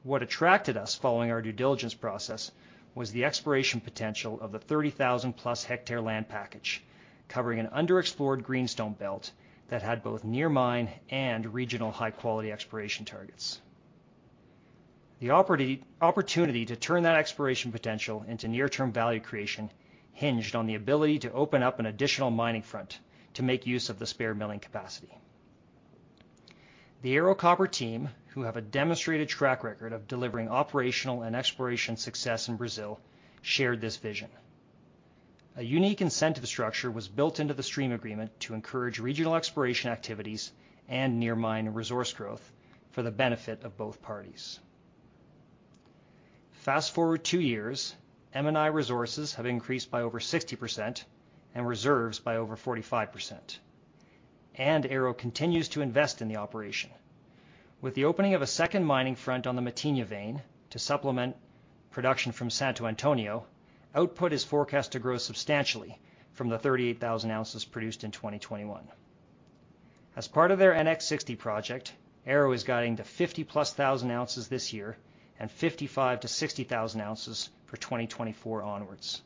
What attracted us following our due diligence process was the exploration potential of the 30,000+ hectare land package covering an underexplored greenstone belt that had both near mine and regional high-quality exploration targets. The opportunity to turn that exploration potential into near-term value creation hinged on the ability to open up an additional mining front to make use of the spare milling capacity. The Ero Copper team, who have a demonstrated track record of delivering operational and exploration success in Brazil, shared this vision. A unique incentive structure was built into the stream agreement to encourage regional exploration activities and near-mine resource growth for the benefit of both parties. Fast-forward two years, M&I resources have increased by over 60% and reserves by over 45%, and Ero continues to invest in the operation. With the opening of a second mining front on the Matinha vein to supplement production from Santo Antônio, output is forecast to grow substantially from the 38,000 ounces produced in 2021. As part of their NX60 project, Ero is guiding to 50+ thousand ounces this year and 55-60 thousand ounces for 2024 onwards.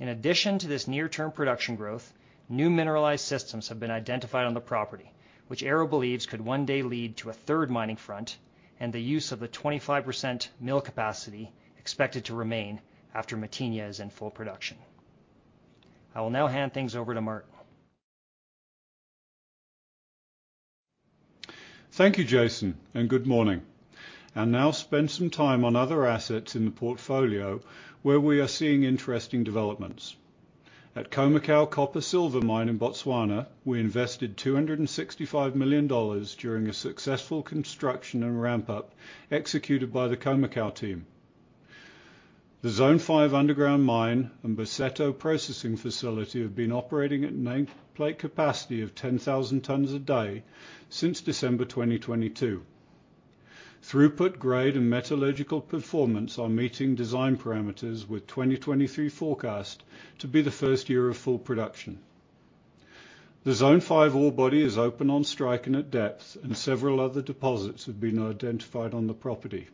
In addition to this near-term production growth, new mineralized systems have been identified on the property, which Ero believes could one day lead to a third mining front and the use of the 25% mill capacity expected to remain after Matinha is in full production. I will now hand things over to Martin Thank you, Jason. Good morning. I'll now spend some time on other assets in the portfolio where we are seeing interesting developments. At Khoemacau Copper Silver Mine in Botswana, we invested $265 million during a successful construction and ramp-up executed by the Khoemacau team. The Zone 5 underground mine and Boseto processing facility have been operating at nameplate capacity of 10,000 tonnes a day since December 2022. Throughput grade and metallurgical performance are meeting design parameters, with 2023 forecast to be the first year of full production. The Zone 5 ore body is open on strike and at depth. Several other deposits have been identified on the property.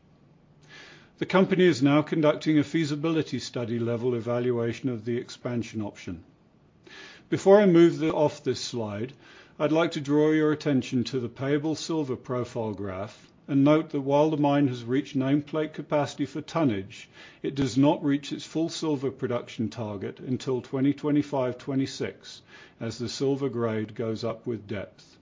The company is now conducting a feasibility study level evaluation of the expansion option. Before I move off this slide, I'd like to draw your attention to the payable silver profile graph and note that while the mine has reached nameplate capacity for tonnage, it does not reach its full silver production target until 2025, 2026 as the silver grade goes up with depth.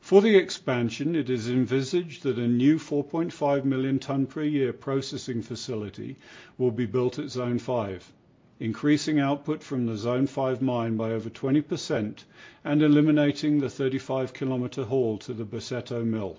For the expansion, it is envisaged that a new 4.5 million ton per year processing facility will be built at Zone 5, increasing output from the Zone 5 mine by over 20% and eliminating the 35 kilometer haul to the Boseto mill.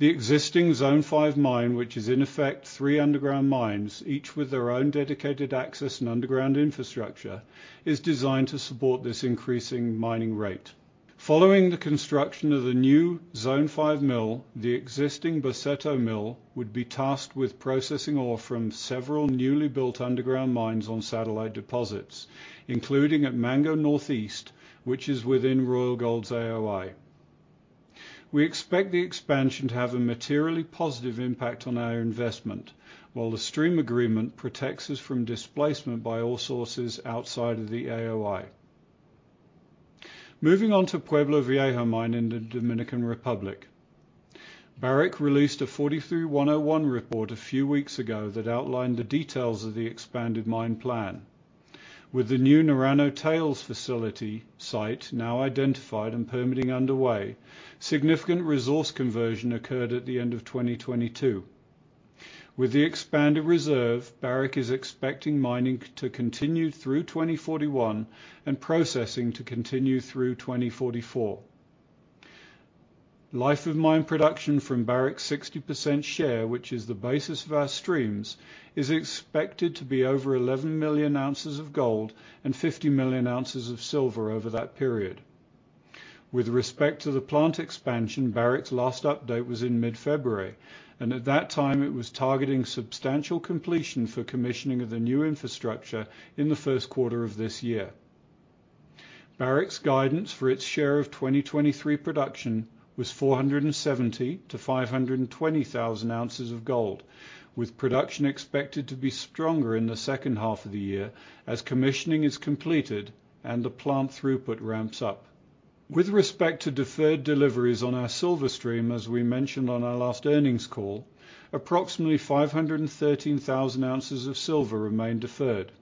The existing Zone 5 mine, which is in effect 3 underground mines, each with their own dedicated access and underground infrastructure, is designed to support this increasing mining rate. Following the construction of the new Zone 5 mill, the existing Boseto mill would be tasked with processing ore from several newly built underground mines on satellite deposits, including at Mango Northeast, which is within Royal Gold's AOI. We expect the expansion to have a materially positive impact on our investment, while the stream agreement protects us from displacement by all sources outside of the AOI. Moving on to Pueblo Viejo mine in the Dominican Republic. Barrick released a 43-101 report a few weeks ago that outlined the details of the expanded mine plan. With the new Naranjo tails facility site now identified and permitting underway, significant resource conversion occurred at the end of 2022. With the expanded reserve, Barrick is expecting mining to continue through 2041 and processing to continue through 2044. Life of mine production from Barrick's 60% share, which is the basis of our streams, is expected to be over 11 million ounces of gold and 50 million ounces of silver over that period. With respect to the plant expansion, Barrick's last update was in mid-February, and at that time it was targeting substantial completion for commissioning of the new infrastructure in the first quarter of this year. Barrick's guidance for its share of 2023 production was 470,000-520,000 ounces of gold, with production expected to be stronger in the second half of the year as commissioning is completed and the plant throughput ramps up. With respect to deferred deliveries on our silver stream, as we mentioned on our last earnings call, approximately 513,000 ounces of silver remain deferred.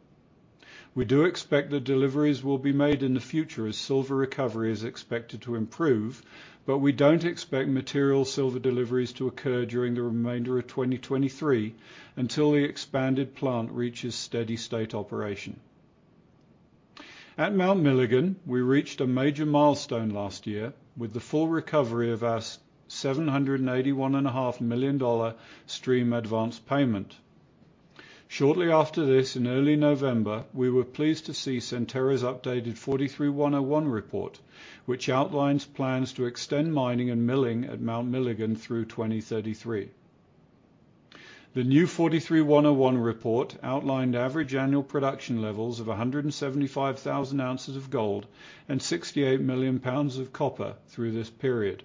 We do expect that deliveries will be made in the future as silver recovery is expected to improve, but we don't expect material silver deliveries to occur during the remainder of 2023 until the expanded plant reaches steady state operation. At Mount Milligan, we reached a major milestone last year with the full recovery of our seven hundred and eighty-one and a half million dollar stream advance payment. Shortly after this, in early November, we were pleased to see Centerra's updated 43-101 report, which outlines plans to extend mining and milling at Mount Milligan through 2033. The new 43-101 report outlined average annual production levels of 175,000 ounces of gold and 68 million pounds of copper through this period.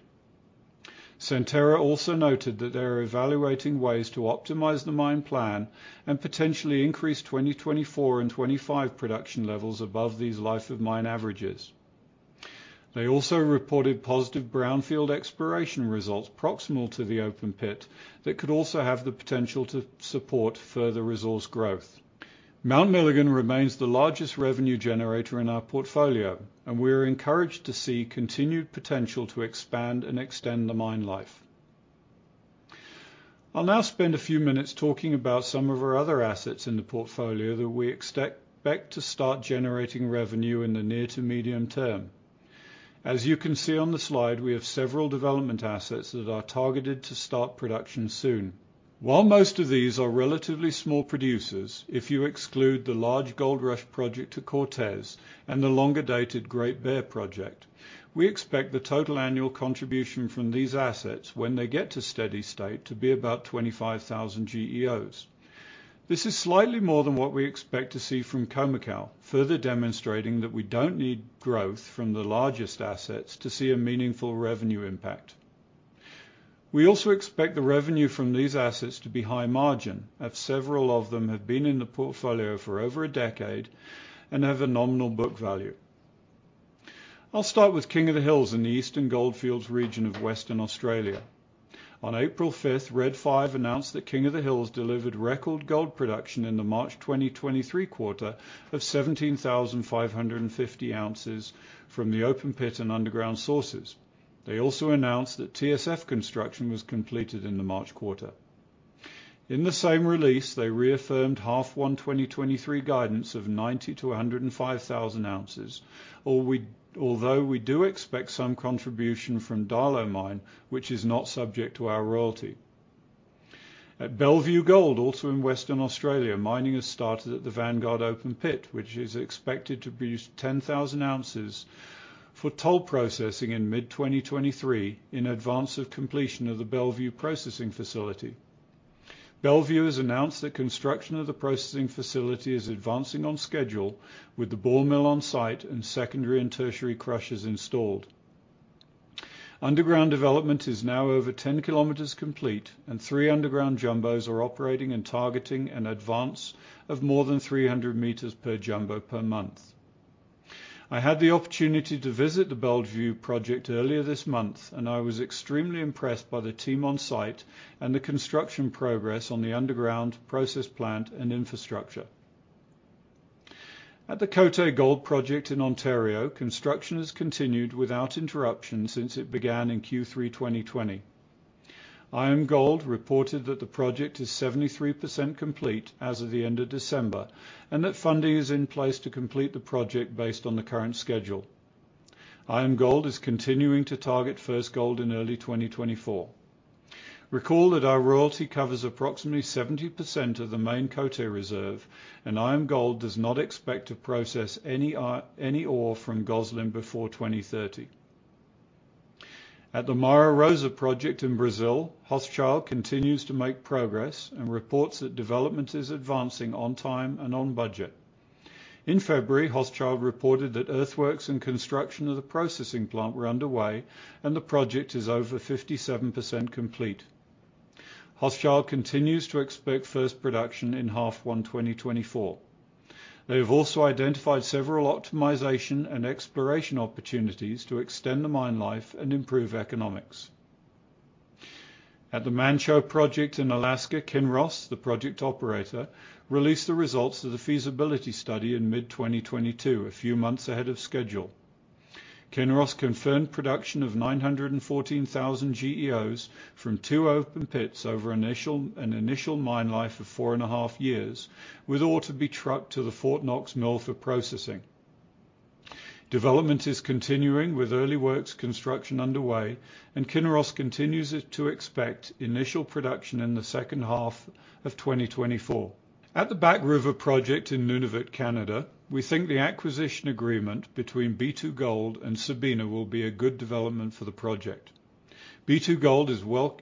Centerra also noted that they are evaluating ways to optimize the mine plan and potentially increase 2024 and 2025 production levels above these life of mine averages. They also reported positive brownfield exploration results proximal to the open pit that could also have the potential to support further resource growth. Mount Milligan remains the largest revenue generator in our portfolio, and we are encouraged to see continued potential to expand and extend the mine life. I'll now spend a few minutes talking about some of our other assets in the portfolio that we expect to start generating revenue in the near to medium term. As you can see on the slide, we have several development assets that are targeted to start production soon. While most of these are relatively small producers, if you exclude the large Gold Rush project to Cortez and the longer dated Great Bear project, we expect the total annual contribution from these assets when they get to steady-state to be about 25,000 GEOs. This is slightly more than what we expect to see from Khoemacau, further demonstrating that we don't need growth from the largest assets to see a meaningful revenue impact. We also expect the revenue from these assets to be high margin, as several of them have been in the portfolio for over a decade and have a nominal book value. I'll start with King of the Hills in the Eastern Goldfields region of Western Australia. On April fifth, Red 5 announced that King of the Hills delivered record gold production in the March 2023 quarter of 17,550 ounces from the open pit and underground sources. They also announced that TSF construction was completed in the March quarter. In the same release, they reaffirmed half one 2023 guidance of 90,000-105,000 ounces. Although we do expect some contribution from Darlot Mine, which is not subject to our royalty. At Bellevue Gold, also in Western Australia, mining has started at the Vanguard open pit, which is expected to produce 10,000 ounces for toll processing in mid-2023 in advance of completion of the Bellevue processing facility. Bellevue has announced that construction of the processing facility is advancing on schedule with the ball mill on site and secondary and tertiary crushers installed. Underground development is now over 10 km complete, and three underground jumbos are operating and targeting an advance of more than 300 meters per jumbo per month. I had the opportunity to visit the Bellevue project earlier this month, and I was extremely impressed by the team on site and the construction progress on the underground process plant and infrastructure. At the Côté Gold Project in Ontario, construction has continued without interruption since it began in Q3 2020. IAMGOLD reported that the project is 73% complete as of the end of December, and that funding is in place to complete the project based on the current schedule. IAMGOLD is continuing to target first gold in early 2024. Recall that our royalty covers approximately 70% of the main Côté reserve and IAMGOLD does not expect to process any ore from Gosselin before 2030. At the Mara Rosa project in Brazil, Hochschild continues to make progress and reports that development is advancing on time and on budget. In February, Hochschild reported that earthworks and construction of the processing plant were underway and the project is over 57% complete. Hochschild continues to expect first production in half one 2024. They have also identified several optimization and exploration opportunities to extend the mine life and improve economics. At the Manh Choh project in Alaska, Kinross, the project operator, released the results of the feasibility study in mid-2022, a few months ahead of schedule. Kinross confirmed production of 914,000 GEOs from two open pits over an initial mine life of four and a half years, with ore to be trucked to the Fort Knox mill for processing. Development is continuing with early works construction underway. Kinross continues to expect initial production in the second half of 2024. At the Back River project in Nunavut, Canada, we think the acquisition agreement between B2Gold and Sabina will be a good development for the project. B2Gold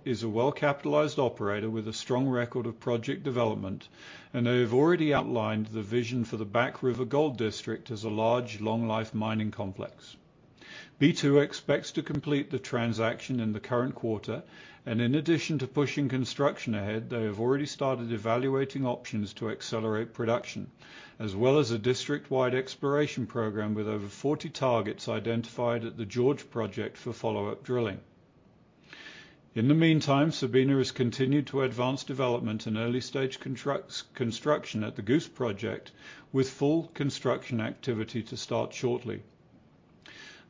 is a well-capitalized operator with a strong record of project development. They have already outlined the vision for the Back River gold district as a large, long-life mining complex. B2 expects to complete the transaction in the current quarter. In addition to pushing construction ahead, they have already started evaluating options to accelerate production, as well as a district-wide exploration program with over 40 targets identified at the George Project for follow-up drilling. In the meantime, Sabina has continued to advance development and early-stage construction at the Goose project, with full construction activity to start shortly.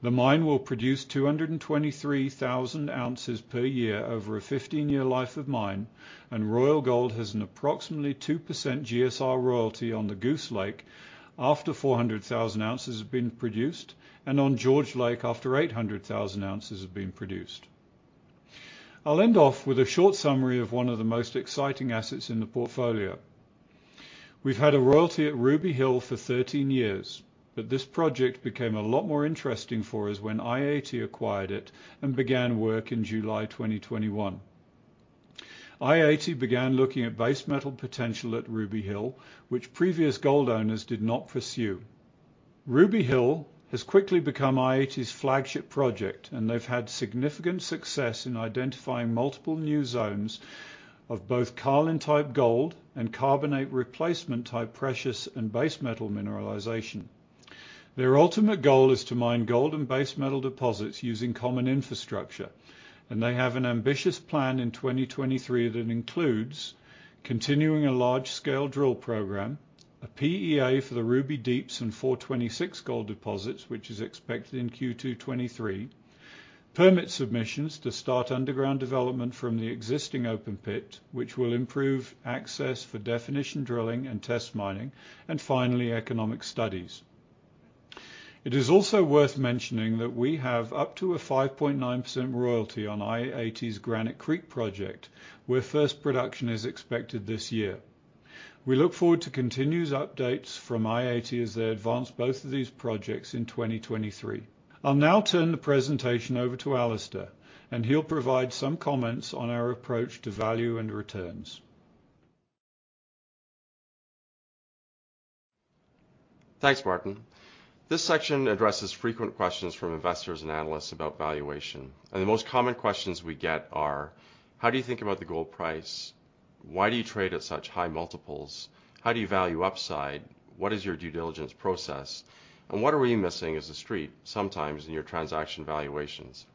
The mine will produce 223,000 ounces per year over a 15-year life of mine, and Royal Gold has an approximately 2% GSR royalty on the Goose Lake after 400,000 ounces have been produced and on George Lake after 800,000 ounces have been produced. I'll end off with a short summary of one of the most exciting assets in the portfolio. We've had a royalty at Ruby Hill for 13 years, but this project became a lot more interesting for us when i-80 acquired it and began work in July 2021. i-80 began looking at base metal potential at Ruby Hill, which previous gold owners did not pursue. Ruby Hill has quickly become i-80's flagship project, and they've had significant success in identifying multiple new zones of both Carlin-type gold and carbonate replacement type precious and base metal mineralization. Their ultimate goal is to mine gold and base metal deposits using common infrastructure, and they have an ambitious plan in 2023 that includes continuing a large-scale drill program, a PEA for the Ruby Deeps and 426 gold deposits, which is expected in Q2 2023, permit submissions to start underground development from the existing open pit, which will improve access for definition drilling and test mining, and finally, economic studies. It is also worth mentioning that we have up to a 5.9% royalty on i-80's Granite Creek project, where first production is expected this year. We look forward to continuous updates from i-80 as they advance both of these projects in 2023. I'll now turn the presentation over to Alastair, and he'll provide some comments on our approach to value and returns. Thanks, Martin. This section addresses frequent questions from investors and analysts about valuation, and the most common questions we get are: How do you think about the gold price? Why do you trade at such high multiples? How do you value upside? What is your due diligence process? What are we missing as a street sometimes in your transaction valuations?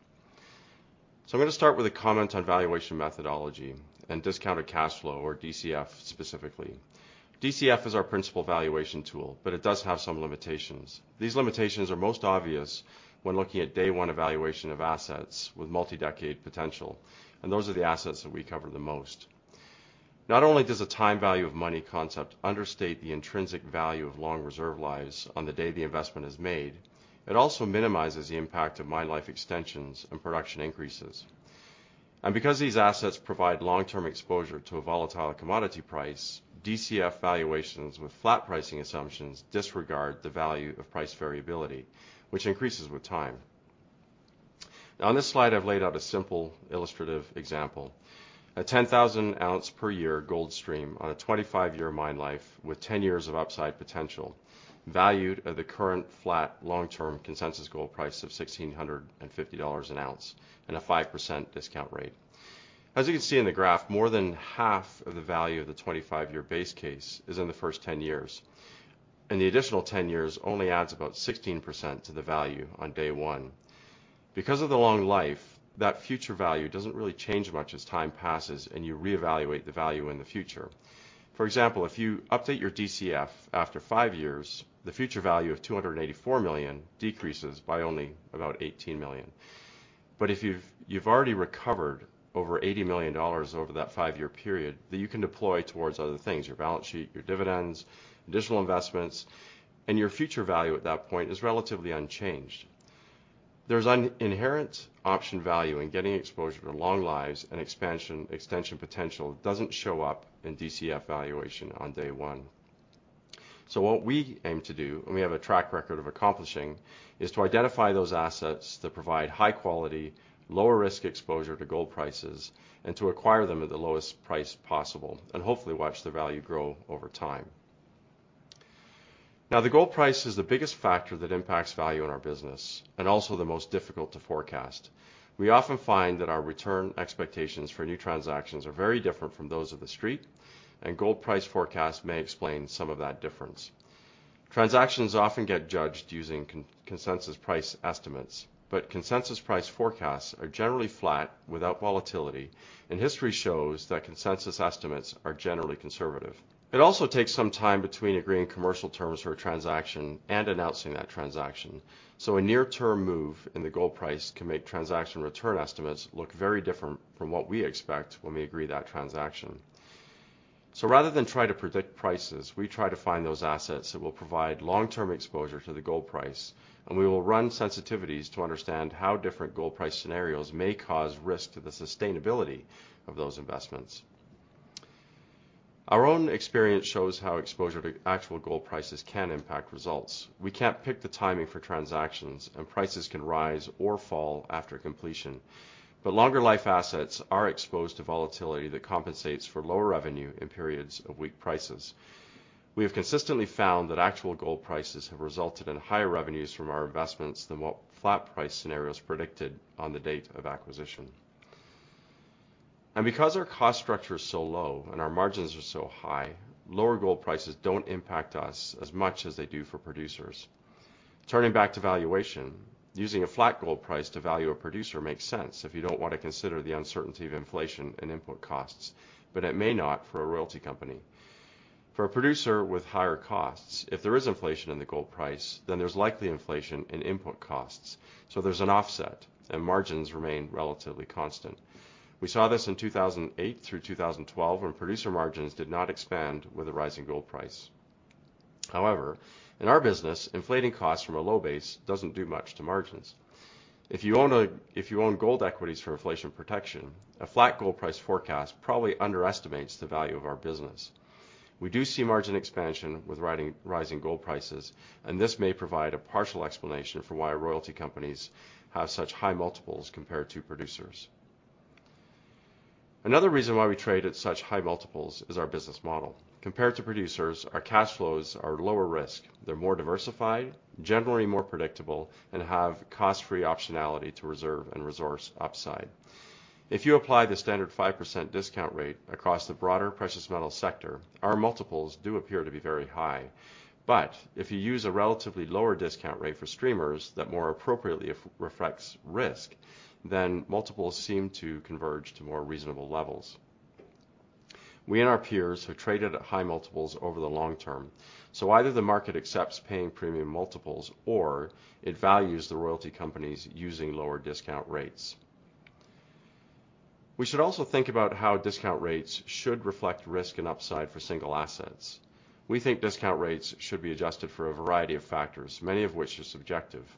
I'm gonna start with a comment on valuation methodology and discounted cash flow, or DCF specifically. DCF is our principal valuation tool, but it does have some limitations. These limitations are most obvious when looking at day one evaluation of assets with multi-decade potential, and those are the assets that we cover the most. Not only does the time value of money concept understate the intrinsic value of long reserve lives on the day the investment is made, it also minimizes the impact of mine life extensions and production increases. Because these assets provide long-term exposure to a volatile commodity price, DCF valuations with flat pricing assumptions disregard the value of price variability, which increases with time. On this slide, I've laid out a simple illustrative example. A 10,000 ounce per year gold stream on a 25-year mine life with 10 years of upside potential, valued at the current flat long-term consensus gold price of $1,650 an ounce and a 5% discount rate. As you can see in the graph, more than half of the value of the 25-year base case is in the first 10 years, and the additional 10 years only adds about 16% to the value on day one. Because of the long life, that future value doesn't really change much as time passes and you reevaluate the value in the future. For example, if you update your DCF after five years, the future value of $284 million decreases by only about $18 million. If you've already recovered over $80 million over that five-year period, then you can deploy towards other things, your balance sheet, your dividends, additional investments, and your future value at that point is relatively unchanged. There's an inherent option value in getting exposure to long lives and expansion extension potential that doesn't show up in DCF valuation on day one. What we aim to do, and we have a track record of accomplishing, is to identify those assets that provide high quality, lower risk exposure to gold prices and to acquire them at the lowest price possible and hopefully watch the value grow over time. The gold price is the biggest factor that impacts value in our business and also the most difficult to forecast. We often find that our return expectations for new transactions are very different from those of the street, and gold price forecasts may explain some of that difference. Transactions often get judged using consensus price estimates, but consensus price forecasts are generally flat without volatility, and history shows that consensus estimates are generally conservative. It also takes some time between agreeing commercial terms for a transaction and announcing that transaction. A near-term move in the gold price can make transaction return estimates look very different from what we expect when we agree that transaction. Rather than try to predict prices, we try to find those assets that will provide long-term exposure to the gold price, and we will run sensitivities to understand how different gold price scenarios may cause risk to the sustainability of those investments. Our own experience shows how exposure to actual gold prices can impact results. We can't pick the timing for transactions, and prices can rise or fall after completion. Longer life assets are exposed to volatility that compensates for lower revenue in periods of weak prices. We have consistently found that actual gold prices have resulted in higher revenues from our investments than what flat price scenarios predicted on the date of acquisition. Because our cost structure is so low and our margins are so high, lower gold prices don't impact us as much as they do for producers. Turning back to valuation, using a flat gold price to value a producer makes sense if you don't want to consider the uncertainty of inflation and input costs, but it may not for a royalty company. For a producer with higher costs, if there is inflation in the gold price, then there's likely inflation in input costs, so there's an offset, and margins remain relatively constant. We saw this in 2008 through 2012 when producer margins did not expand with the rising gold price. However, in our business, inflating costs from a low base doesn't do much to margins. If you own gold equities for inflation protection, a flat gold price forecast probably underestimates the value of our business. We do see margin expansion with rising gold prices, and this may provide a partial explanation for why royalty companies have such high multiples compared to producers. Another reason why we trade at such high multiples is our business model. Compared to producers, our cash flows are lower risk. They're more diversified, generally more predictable, and have cost-free optionality to reserve and resource upside. If you apply the standard 5% discount rate across the broader precious metal sector, our multiples do appear to be very high. If you use a relatively lower discount rate for streamers that more appropriately reflects risk, then multiples seem to converge to more reasonable levels. We and our peers have traded at high multiples over the long term, either the market accepts paying premium multiples or it values the royalty companies using lower discount rates. We should also think about how discount rates should reflect risk and upside for single assets. We think discount rates should be adjusted for a variety of factors, many of which are subjective.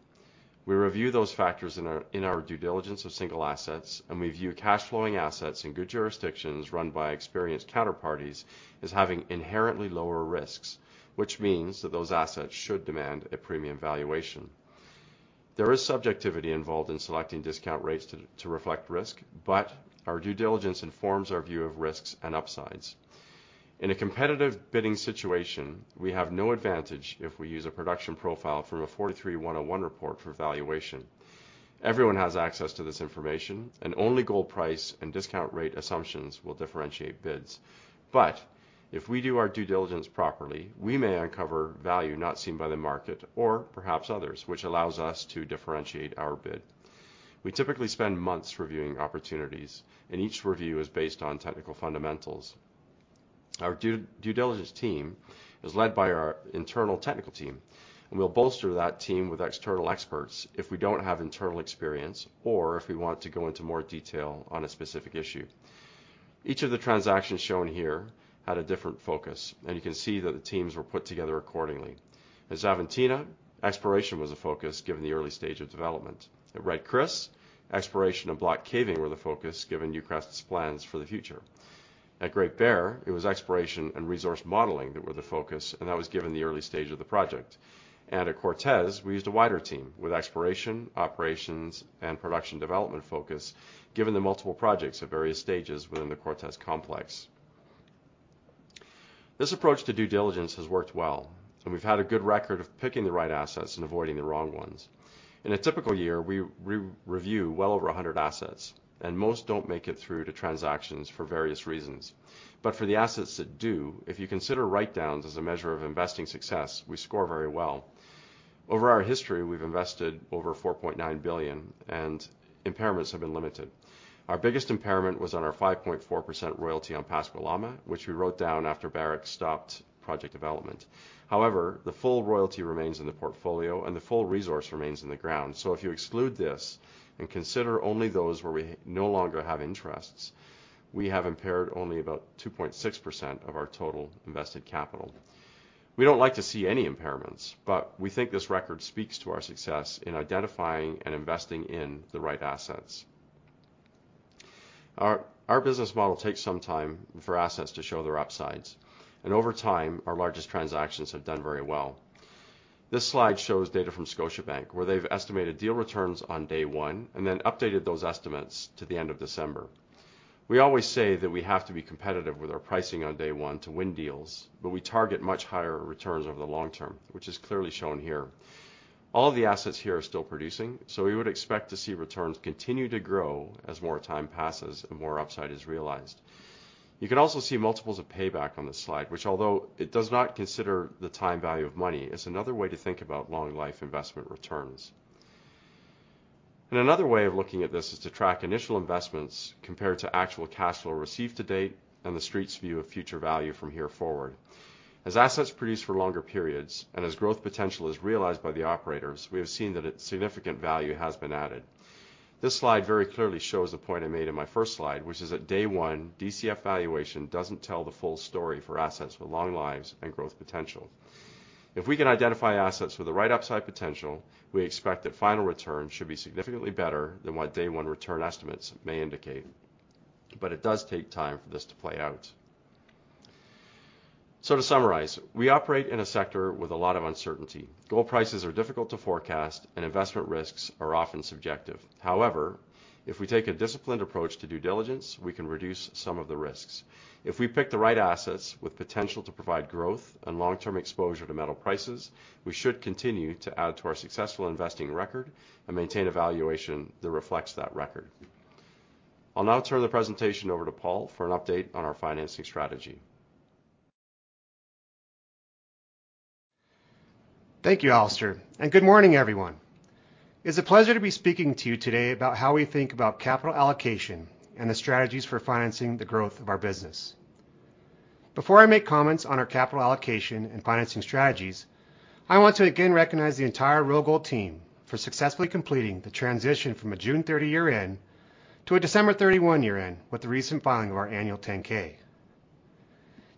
We review those factors in our due diligence of single assets, we view cash flowing assets in good jurisdictions run by experienced counterparties as having inherently lower risks, which means that those assets should demand a premium valuation. There is subjectivity involved in selecting discount rates to reflect risk. Our due diligence informs our view of risks and upsides. In a competitive bidding situation, we have no advantage if we use a production profile from a NI 43-101 report for valuation. Everyone has access to this information. Only gold price and discount rate assumptions will differentiate bids. If we do our due diligence properly, we may uncover value not seen by the market or perhaps others, which allows us to differentiate our bid. We typically spend months reviewing opportunities. Each review is based on technical fundamentals. Our due diligence team is led by our internal technical team. We'll bolster that team with external experts if we don't have internal experience or if we want to go into more detail on a specific issue. Each of the transactions shown here had a different focus, and you can see that the teams were put together accordingly. At Xavantina, exploration was a focus given the early stage of development. At Red Chris, exploration and block caving were the focus given Newcrest's plans for the future. At Great Bear, it was exploration and resource modeling that were the focus, and that was given the early stage of the project. At Cortez, we used a wider team with exploration, operations, and production development focus, given the multiple projects at various stages within the Cortez Complex. This approach to due diligence has worked well, and we've had a good record of picking the right assets and avoiding the wrong ones. In a typical year, we re-review well over 100 assets, and most don't make it through to transactions for various reasons. For the assets that do, if you consider write-downs as a measure of investing success, we score very well. Over our history, we've invested over $4.9 billion, and impairments have been limited. Our biggest impairment was on our 5.4% royalty on Pascua-Lama, which we wrote down after Barrick stopped project development. The full royalty remains in the portfolio, and the full resource remains in the ground. If you exclude this and consider only those where we no longer have interests, we have impaired only about 2.6% of our total invested capital. We don't like to see any impairments, but we think this record speaks to our success in identifying and investing in the right assets. Our business model takes some time for assets to show their upsides, and over time, our largest transactions have done very well. This slide shows data from Scotiabank where they've estimated deal returns on day one and then updated those estimates to the end of December. We always say that we have to be competitive with our pricing on day one to win deals, but we target much higher returns over the long term, which is clearly shown here. All the assets here are still producing, so we would expect to see returns continue to grow as more time passes and more upside is realized. You can also see multiples of payback on this slide, which although it does not consider the time value of money, is another way to think about long life investment returns. Another way of looking at this is to track initial investments compared to actual cash flow received to date and the street's view of future value from here forward. As assets produce for longer periods and as growth potential is realized by the operators, we have seen that a significant value has been added. This slide very clearly shows the point I made in my first slide, which is at day one, DCF valuation doesn't tell the full story for assets with long lives and growth potential. If we can identify assets with the right upside potential, we expect that final returns should be significantly better than what day 1 return estimates may indicate. It does take time for this to play out. To summarize, we operate in a sector with a lot of uncertainty. Gold prices are difficult to forecast, and investment risks are often subjective. However, if we take a disciplined approach to due diligence, we can reduce some of the risks. If we pick the right assets with potential to provide growth and long-term exposure to metal prices, we should continue to add to our successful investing record and maintain a valuation that reflects that record. I'll now turn the presentation over to Paul for an update on our financing strategy. Thank you, Alistair. Good morning, everyone. It's a pleasure to be speaking to you today about how we think about capital allocation and the strategies for financing the growth of our business. Before I make comments on our capital allocation and financing strategies, I want to again recognize the entire Royal Gold team for successfully completing the transition from a June 30 year-end to a December 31 year-end with the recent filing of our annual 10-K.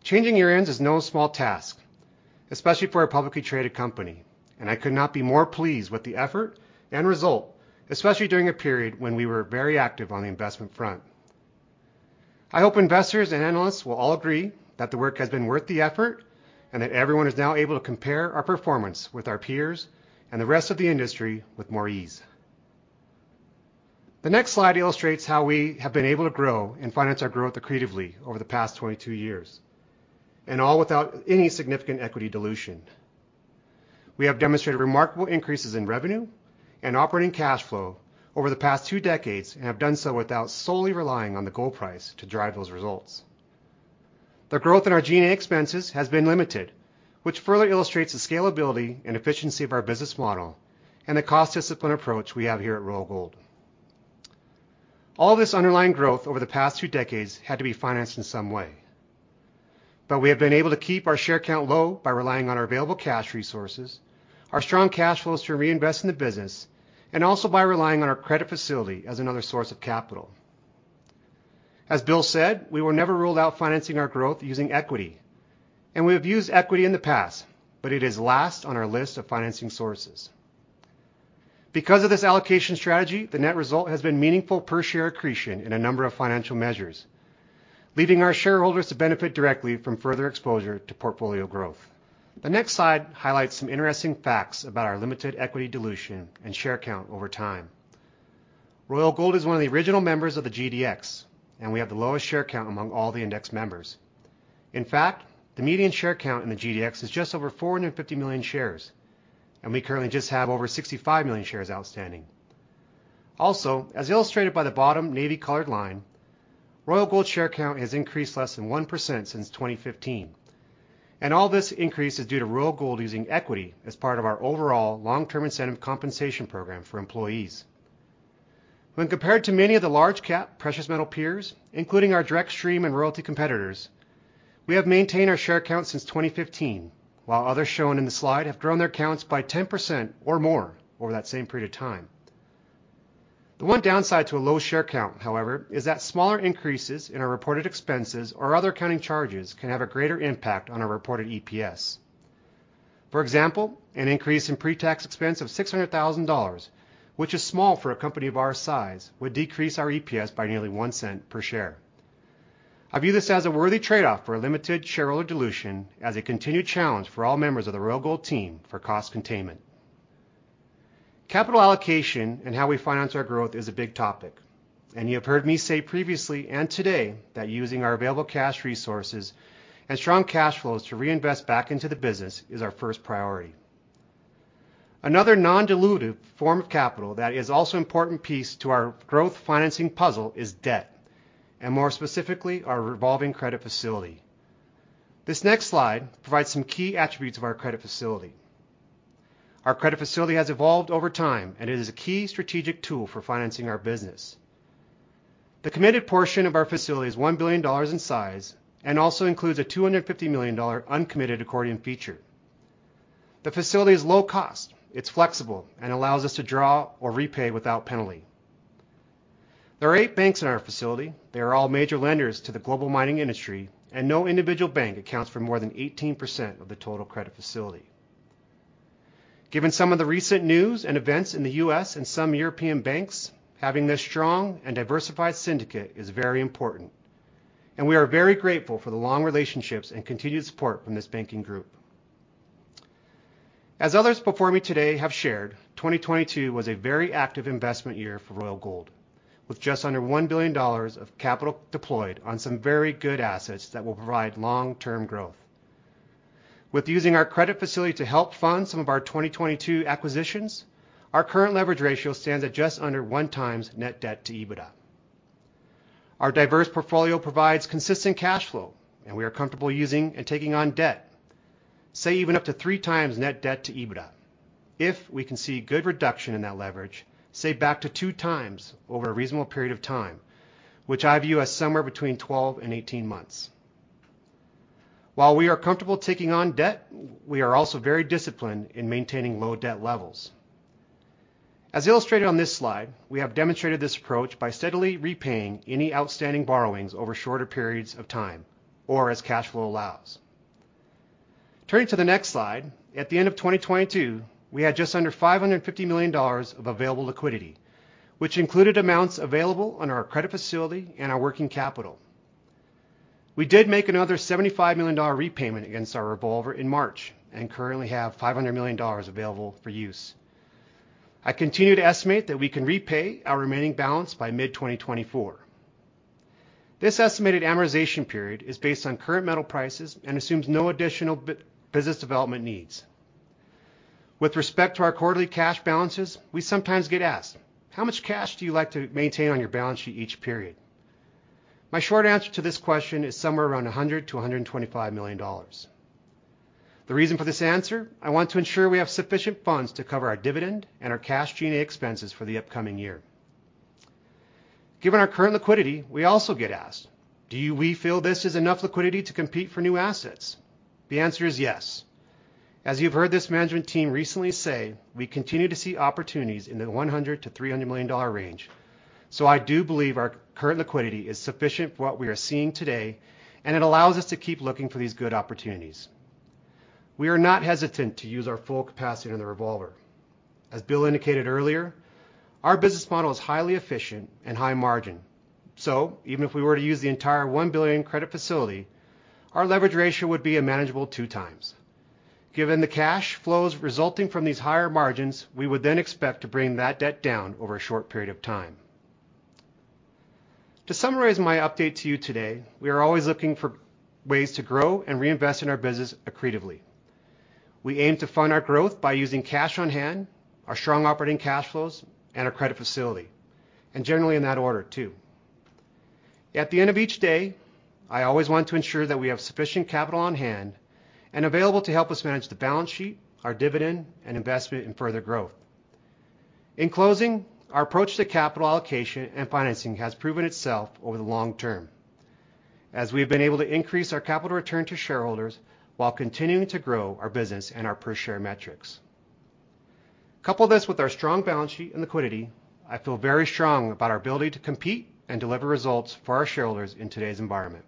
Changing year-ends is no small task, especially for a publicly traded company. I could not be more pleased with the effort and result, especially during a period when we were very active on the investment front. I hope investors and analysts will all agree that the work has been worth the effort and that everyone is now able to compare our performance with our peers and the rest of the industry with more ease. The next slide illustrates how we have been able to grow and finance our growth accretively over the past 22 years and all without any significant equity dilution. We have demonstrated remarkable increases in revenue and operating cash flow over the past two decades and have done so without solely relying on the gold price to drive those results. The growth in our G&A expenses has been limited, which further illustrates the scalability and efficiency of our business model and the cost discipline approach we have here at Royal Gold. All this underlying growth over the past two decades had to be financed in some way, but we have been able to keep our share count low by relying on our available cash resources, our strong cash flows to reinvest in the business, and also by relying on our credit facility as another source of capital. As Will said, we will never rule out financing our growth using equity, and we have used equity in the past, but it is last on our list of financing sources. Because of this allocation strategy, the net result has been meaningful per share accretion in a number of financial measures, leaving our shareholders to benefit directly from further exposure to portfolio growth. The next slide highlights some interesting facts about our limited equity dilution and share count over time. Royal Gold is one of the original members of the GDX, and we have the lowest share count among all the index members. In fact, the median share count in the GDX is just over 450 million shares, and we currently just have over 65 million shares outstanding. Also, as illustrated by the bottom navy-colored line, Royal Gold share count has increased less than 1% since 2015, and all this increase is due to Royal Gold using equity as part of our overall long-term incentive compensation program for employees. When compared to many of the large cap precious metal peers, including our direct stream and royalty competitors, we have maintained our share count since 2015, while others shown in the slide have grown their counts by 10% or more over that same period of time. The one downside to a low share count, however, is that smaller increases in our reported expenses or other accounting charges can have a greater impact on our reported EPS. For example, an increase in pre-tax expense of $600,000, which is small for a company of our size, would decrease our EPS by nearly $0.01 per share. I view this as a worthy trade-off for a limited shareholder dilution as a continued challenge for all members of the Royal Gold team for cost containment. Capital allocation and how we finance our growth is a big topic, and you have heard me say previously and today that using our available cash resources and strong cash flows to reinvest back into the business is our first priority. Another non-dilutive form of capital that is also important piece to our growth financing puzzle is debt, and more specifically, our revolving credit facility. This next slide provides some key attributes of our credit facility. Our credit facility has evolved over time, and it is a key strategic tool for financing our business. The committed portion of our facility is $1 billion in size and also includes a $250 million uncommitted accordion feature. The facility is low cost, it's flexible, and allows us to draw or repay without penalty. There are eight banks in our facility. They are all major lenders to the global mining industry. No individual bank accounts for more than 18% of the total credit facility. Given some of the recent news and events in the U.S. and some European banks, having this strong and diversified syndicate is very important. We are very grateful for the long relationships and continued support from this banking group. As others before me today have shared, 2022 was a very active investment year for Royal Gold, with just under $1 billion of capital deployed on some very good assets that will provide long-term growth. With using our credit facility to help fund some of our 2022 acquisitions, our current leverage ratio stands at just under 1x net debt to EBITDA. Our diverse portfolio provides consistent cash flow. We are comfortable using and taking on debt, say even up to 3x net debt to EBITDA if we can see good reduction in that leverage, say back to 2x over a reasonable period of time, which I view as somewhere between 12 and 18 months. While we are comfortable taking on debt, we are also very disciplined in maintaining low debt levels. As illustrated on this slide, we have demonstrated this approach by steadily repaying any outstanding borrowings over shorter periods of time or as cash flow allows. Turning to the next slide, at the end of 2022, we had just under $550 million of available liquidity, which included amounts available on our credit facility and our working capital. We did make another $75 million repayment against our revolver in March and currently have $500 million available for use. I continue to estimate that we can repay our remaining balance by mid-2024. This estimated amortization period is based on current metal prices and assumes no additional business development needs. With respect to our quarterly cash balances, we sometimes get asked, "How much cash do you like to maintain on your balance sheet each period?" My short answer to this question is somewhere around $100 million-$125 million. The reason for this answer, I want to ensure we have sufficient funds to cover our dividend and our cash G&A expenses for the upcoming year. Given our current liquidity, we also get asked, "Do we feel this is enough liquidity to compete for new assets?" The answer is yes. As you've heard this management team recently say, we continue to see opportunities in the $100 million-$300 million range. I do believe our current liquidity is sufficient for what we are seeing today, and it allows us to keep looking for these good opportunities. We are not hesitant to use our full capacity on the revolver. As Will indicated earlier, our business model is highly efficient and high margin. Even if we were to use the entire $1 billion credit facility, our leverage ratio would be a manageable 2x. Given the cash flows resulting from these higher margins, we would then expect to bring that debt down over a short period of time. To summarize my update to you today, we are always looking for ways to grow and reinvest in our business accretively. We aim to fund our growth by using cash on hand, our strong operating cash flows, and our credit facility, generally in that order too. At the end of each day, I always want to ensure that we have sufficient capital on hand and available to help us manage the balance sheet, our dividend, and investment in further growth. In closing, our approach to capital allocation and financing has proven itself over the long term as we've been able to increase our capital return to shareholders while continuing to grow our business and our per share metrics. Couple this with our strong balance sheet and liquidity, I feel very strong about our ability to compete and deliver results for our shareholders in today's environment.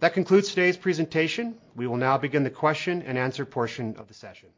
That concludes today's presentation. We will now begin the question and answer portion of the session.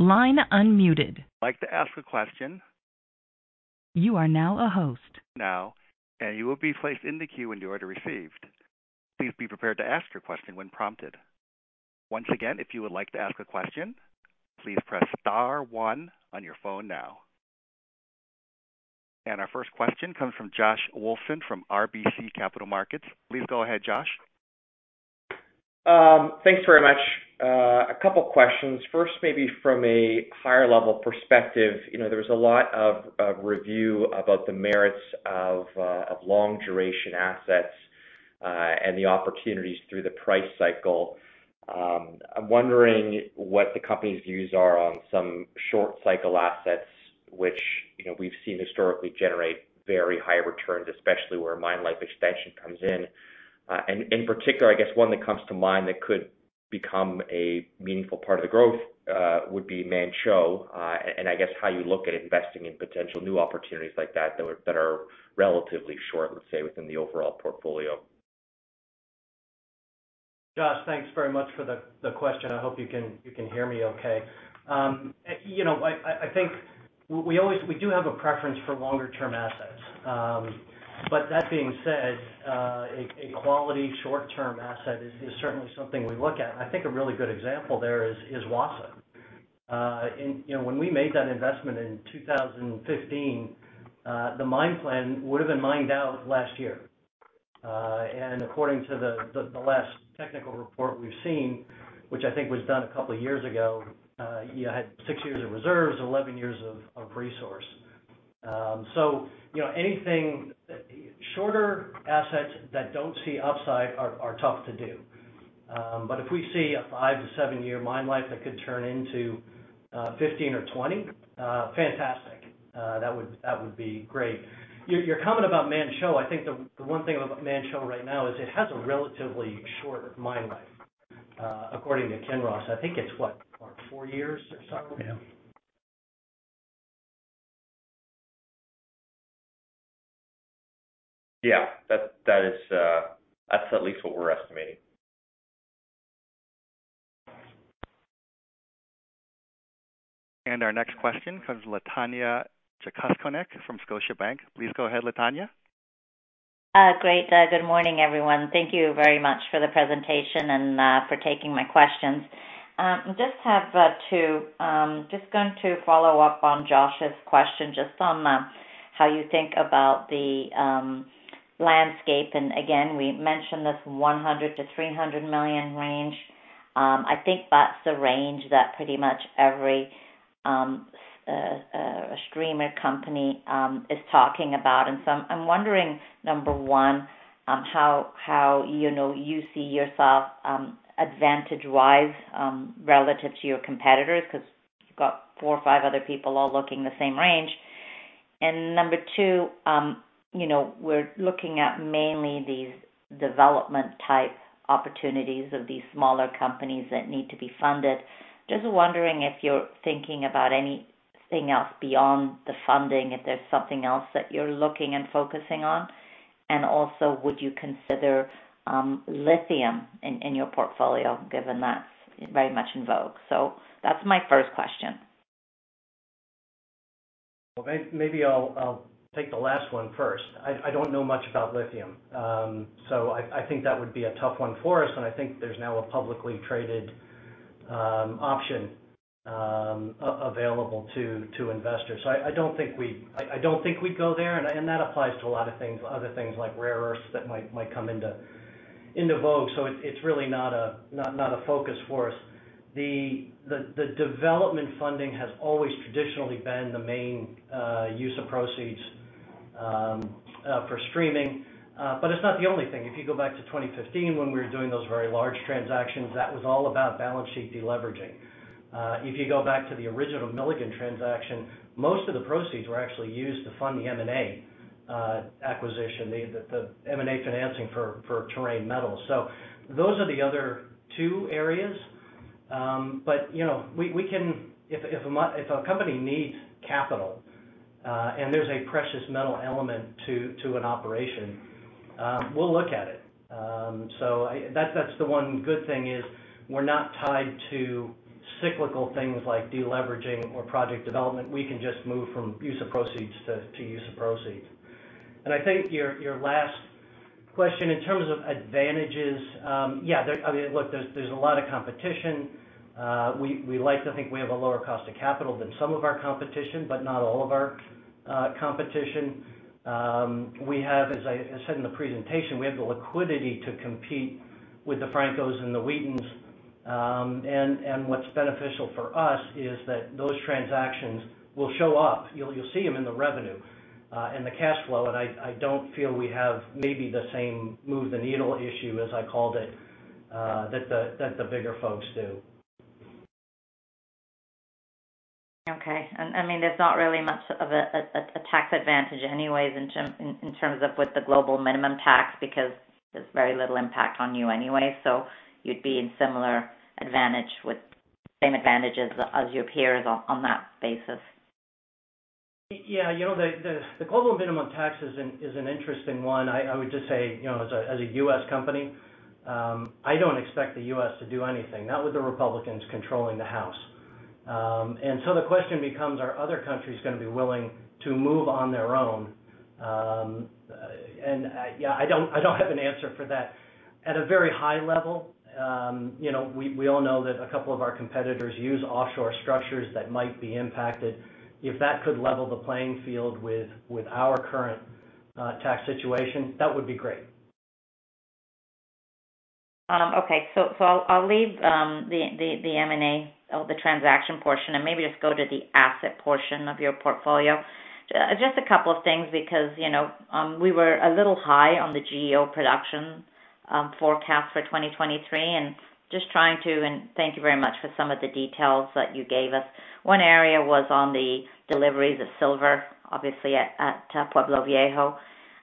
Like to ask a question. Now, you will be placed in the queue in the order received. Please be prepared to ask your question when prompted. Once again, if you would like to ask a question, please press star one on your phone now. Our first question comes from Josh Wolfson from RBC Capital Markets. Please go ahead, Josh. A couple questions. First, maybe from a higher level perspective, you know, there was a lot of review about the merits of long duration assets and the opportunities through the price cycle. I'm wondering what the company's views are on some short cycle assets, which, you know, we've seen historically generate very high returns, especially where mine life expansion comes in. And in particular, I guess one that comes to mind that could become a meaningful part of the growth would be Khoemacau, and I guess how you look at investing in potential new opportunities like that are relatively short, let's say, within the overall portfolio. Josh, thanks very much for the question. I hope you can hear me okay. You know, I think we do have a preference for longer-term assets. That being said, a quality short-term asset is certainly something we look at. I think a really good example there is Wassa. You know, when we made that investment in 2015, the mine plan would've been mined out last year. According to the last technical report we've seen, which I think was done a couple years ago, you had six years of reserves, 11 years of resource. You know, anything shorter assets that don't see upside are tough to do. If we see a 5-7 year mine life that could turn into 15 or 20, fantastic. That would be great. Your comment about Manh Choh, I think the one thing about Manh Choh right now is it has a relatively short mine life, according to Kinross. I think it's what? four years or so? Yeah. That at least what we're estimating. Our next question comes Tanya Jakusconec from Scotiabank. Please go ahead, Tanya. Great. Good morning, everyone. Thank you very much for the presentation and for taking my questions. Just have two. Just going to follow up on Josh's question just on how you think about the landscape. Again, we mentioned this $100 million-$300 million range. I think that's the range that pretty much every streamer company is talking about. So I'm wondering, number one, how, you know, you see yourself advantage-wise relative to your competitors, 'cause you've got four or five other people all looking the same range. Number two, you know, we're looking at mainly these development type opportunities of these smaller companies that need to be funded. Just wondering if you're thinking about anything else beyond the funding, if there's something else that you're looking and focusing on. Would you consider lithium in your portfolio, given that's very much in vogue? That's my first question. Maybe I'll take the last one first. I don't know much about lithium. I think that would be a tough one for us, and I think there's now a publicly traded option available to investors. I don't think we'd go there. That applies to a lot of things, other things like rare earths that might come into vogue. It's really not a focus for us. The development funding has always traditionally been the main use of proceeds for streaming. It's not the only thing. If you go back to 2015 when we were doing those very large transactions, that was all about balance sheet de-leveraging. If you go back to the original Milligan transaction, most of the proceeds were actually used to fund the M&A acquisition, the M&A financing for Teranga Gold. Those are the other two areas. If a company needs capital and there's a precious metal element to an operation, we'll look at it. That's the one good thing is we're not tied to cyclical things like de-leveraging or project development. We can just move from use of proceeds to use of proceeds. I think your last question in terms of advantages, yeah, there. I mean, look, there's a lot of competition. We like to think we have a lower cost of capital than some of our competition, but not all of our competition. As I said in the presentation, we have the liquidity to compete with the Francos and the Wheatons. What's beneficial for us is that those transactions will show up. You'll see them in the revenue and the cash flow. I don't feel we have maybe the same move the needle issue, as I called it, that the bigger folks do. Okay. I mean, there's not really much of a tax advantage anyways in terms of with the global minimum tax, because there's very little impact on you anyway. You'd be in similar advantage with same advantages as your peers on that basis. Yeah. You know, the global minimum tax is an interesting one. I would just say, you know, as a U.S. company, I don't expect the U.S. to do anything, not with the Republicans controlling the House. The question becomes, are other countries gonna be willing to move on their own? Yeah, I don't have an answer for that. At a very high level, you know, we all know that a couple of our competitors use offshore structures that might be impacted. If that could level the playing field with our current tax situation, that would be great. Okay. I'll leave the M&A or the transaction portion and maybe just go to the asset portion of your portfolio. Just a couple of things because, you know, we were a little high on the GEO production forecast for 2023, and just trying to. Thank you very much for some of the details that you gave us. One area was on the deliveries of silver, obviously at Pueblo Viejo.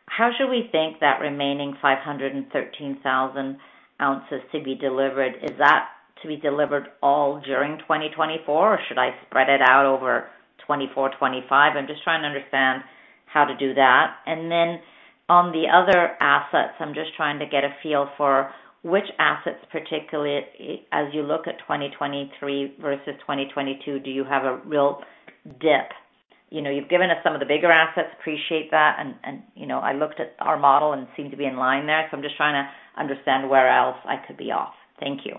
How should we think that remaining 513,000 ounces to be delivered? Is that to be delivered all during 2024, or should I spread it out over 2024, 2025? I'm just trying to understand how to do that. On the other assets, I'm just trying to get a feel for which assets, particularly as you look at 2023 versus 2022, do you have a real dip? You know, you've given us some of the bigger assets. Appreciate that. You know, I looked at our model and it seemed to be in line there. I'm just trying to understand where else I could be off. Thank you.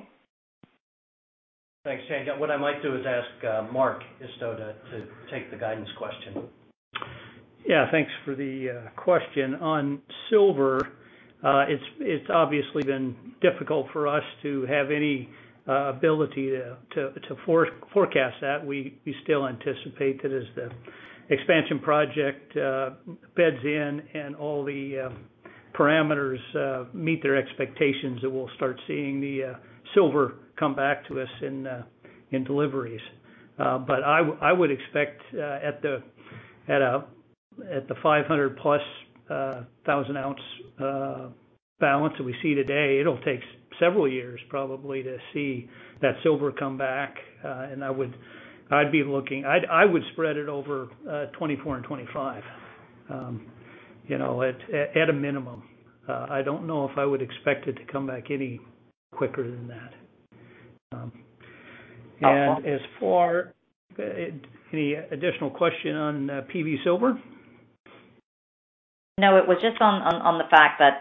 Thanks, Tanya. What I might do is ask Mark Isto to take the guidance question. Yeah. Thanks for the question. On silver, it's obviously been difficult for us to have any ability to forecast that. We still anticipate that as the expansion project beds in and all the parameters meet their expectations, that we'll start seeing the silver come back to us in deliveries. But I would expect at the 500+ thousand ounce balance that we see today, it'll take several years probably to see that silver come back. I would spread it over 2024 and 2025, you know, at a minimum. I don't know if I would expect it to come back any quicker than that. As for any additional question on PV Silver? No, it was just on the fact that,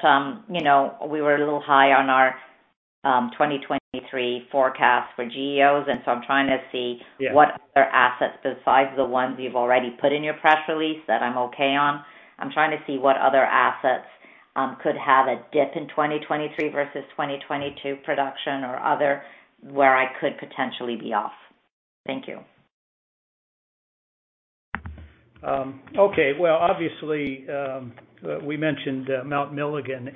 you know, we were a little high on our 2023 forecast for GEOs. What other assets besides the ones you've already put in your press release that I'm okay on? I'm trying to see what other assets could have a dip in 2023 versus 2022 production or other, where I could potentially be off. Thank you. Okay. Well, obviously, we mentioned Mount Milligan,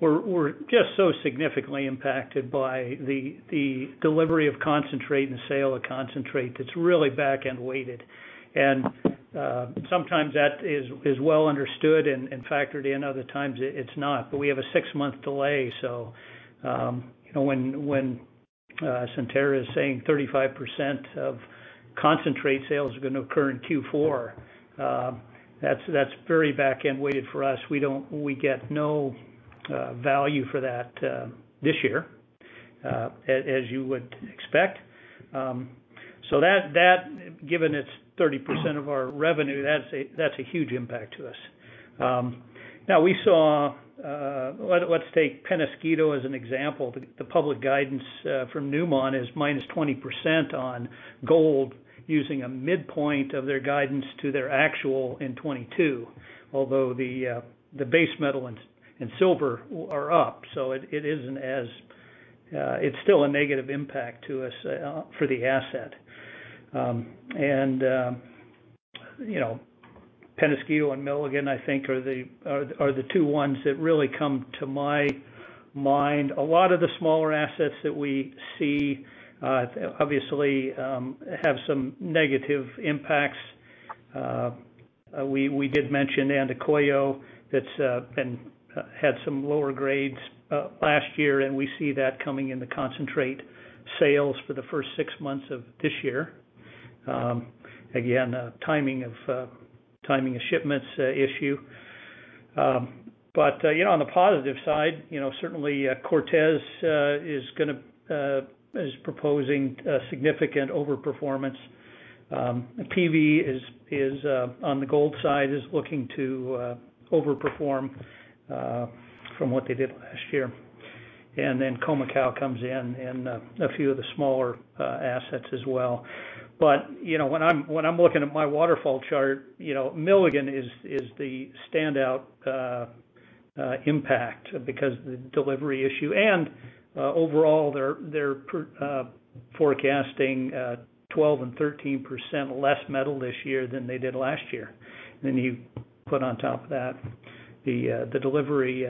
we're just so significantly impacted by the delivery of concentrate and sale of concentrate that's really back-end weighted. Sometimes that is well understood and factored in, other times it's not. We have a six-month delay, you know, when Centerra is saying 35% of concentrate sales are gonna occur in Q4, that's very back-end weighted for us. We get no value for that this year, as you would expect. That, given it's 30% of our revenue, that's a huge impact to us. Now we saw, let's take Penasquito as an example. The public guidance from Newmont is -20% on gold using a midpoint of their guidance to their actual in '22. Although the base metal and silver are up, so it isn't as. It's still a negative impact to us for the asset. You know, Penasquito and Milligan, I think are the two ones that really come to my mind. A lot of the smaller assets that we see, obviously, have some negative impacts. We did mention Andacollo, that's been had some lower grades last year, and we see that coming in the concentrate sales for the first six months of this year. Again, a timing of timing of shipments issue. You know, on the positive side, you know, certainly, Cortez is going to is proposing a significant overperformance. PV is is on the gold side, is looking to overperform from what they did last year. And then Khoemacau comes in and a few of the smaller assets as well. But, you know, when I'm when I'm looking at my waterfall chart, you know, Milligan is is the standout impact because of the delivery issue. And overall their they're forecasting 12% and 13% less metal this year than they did last year. Then you put on top of that the delivery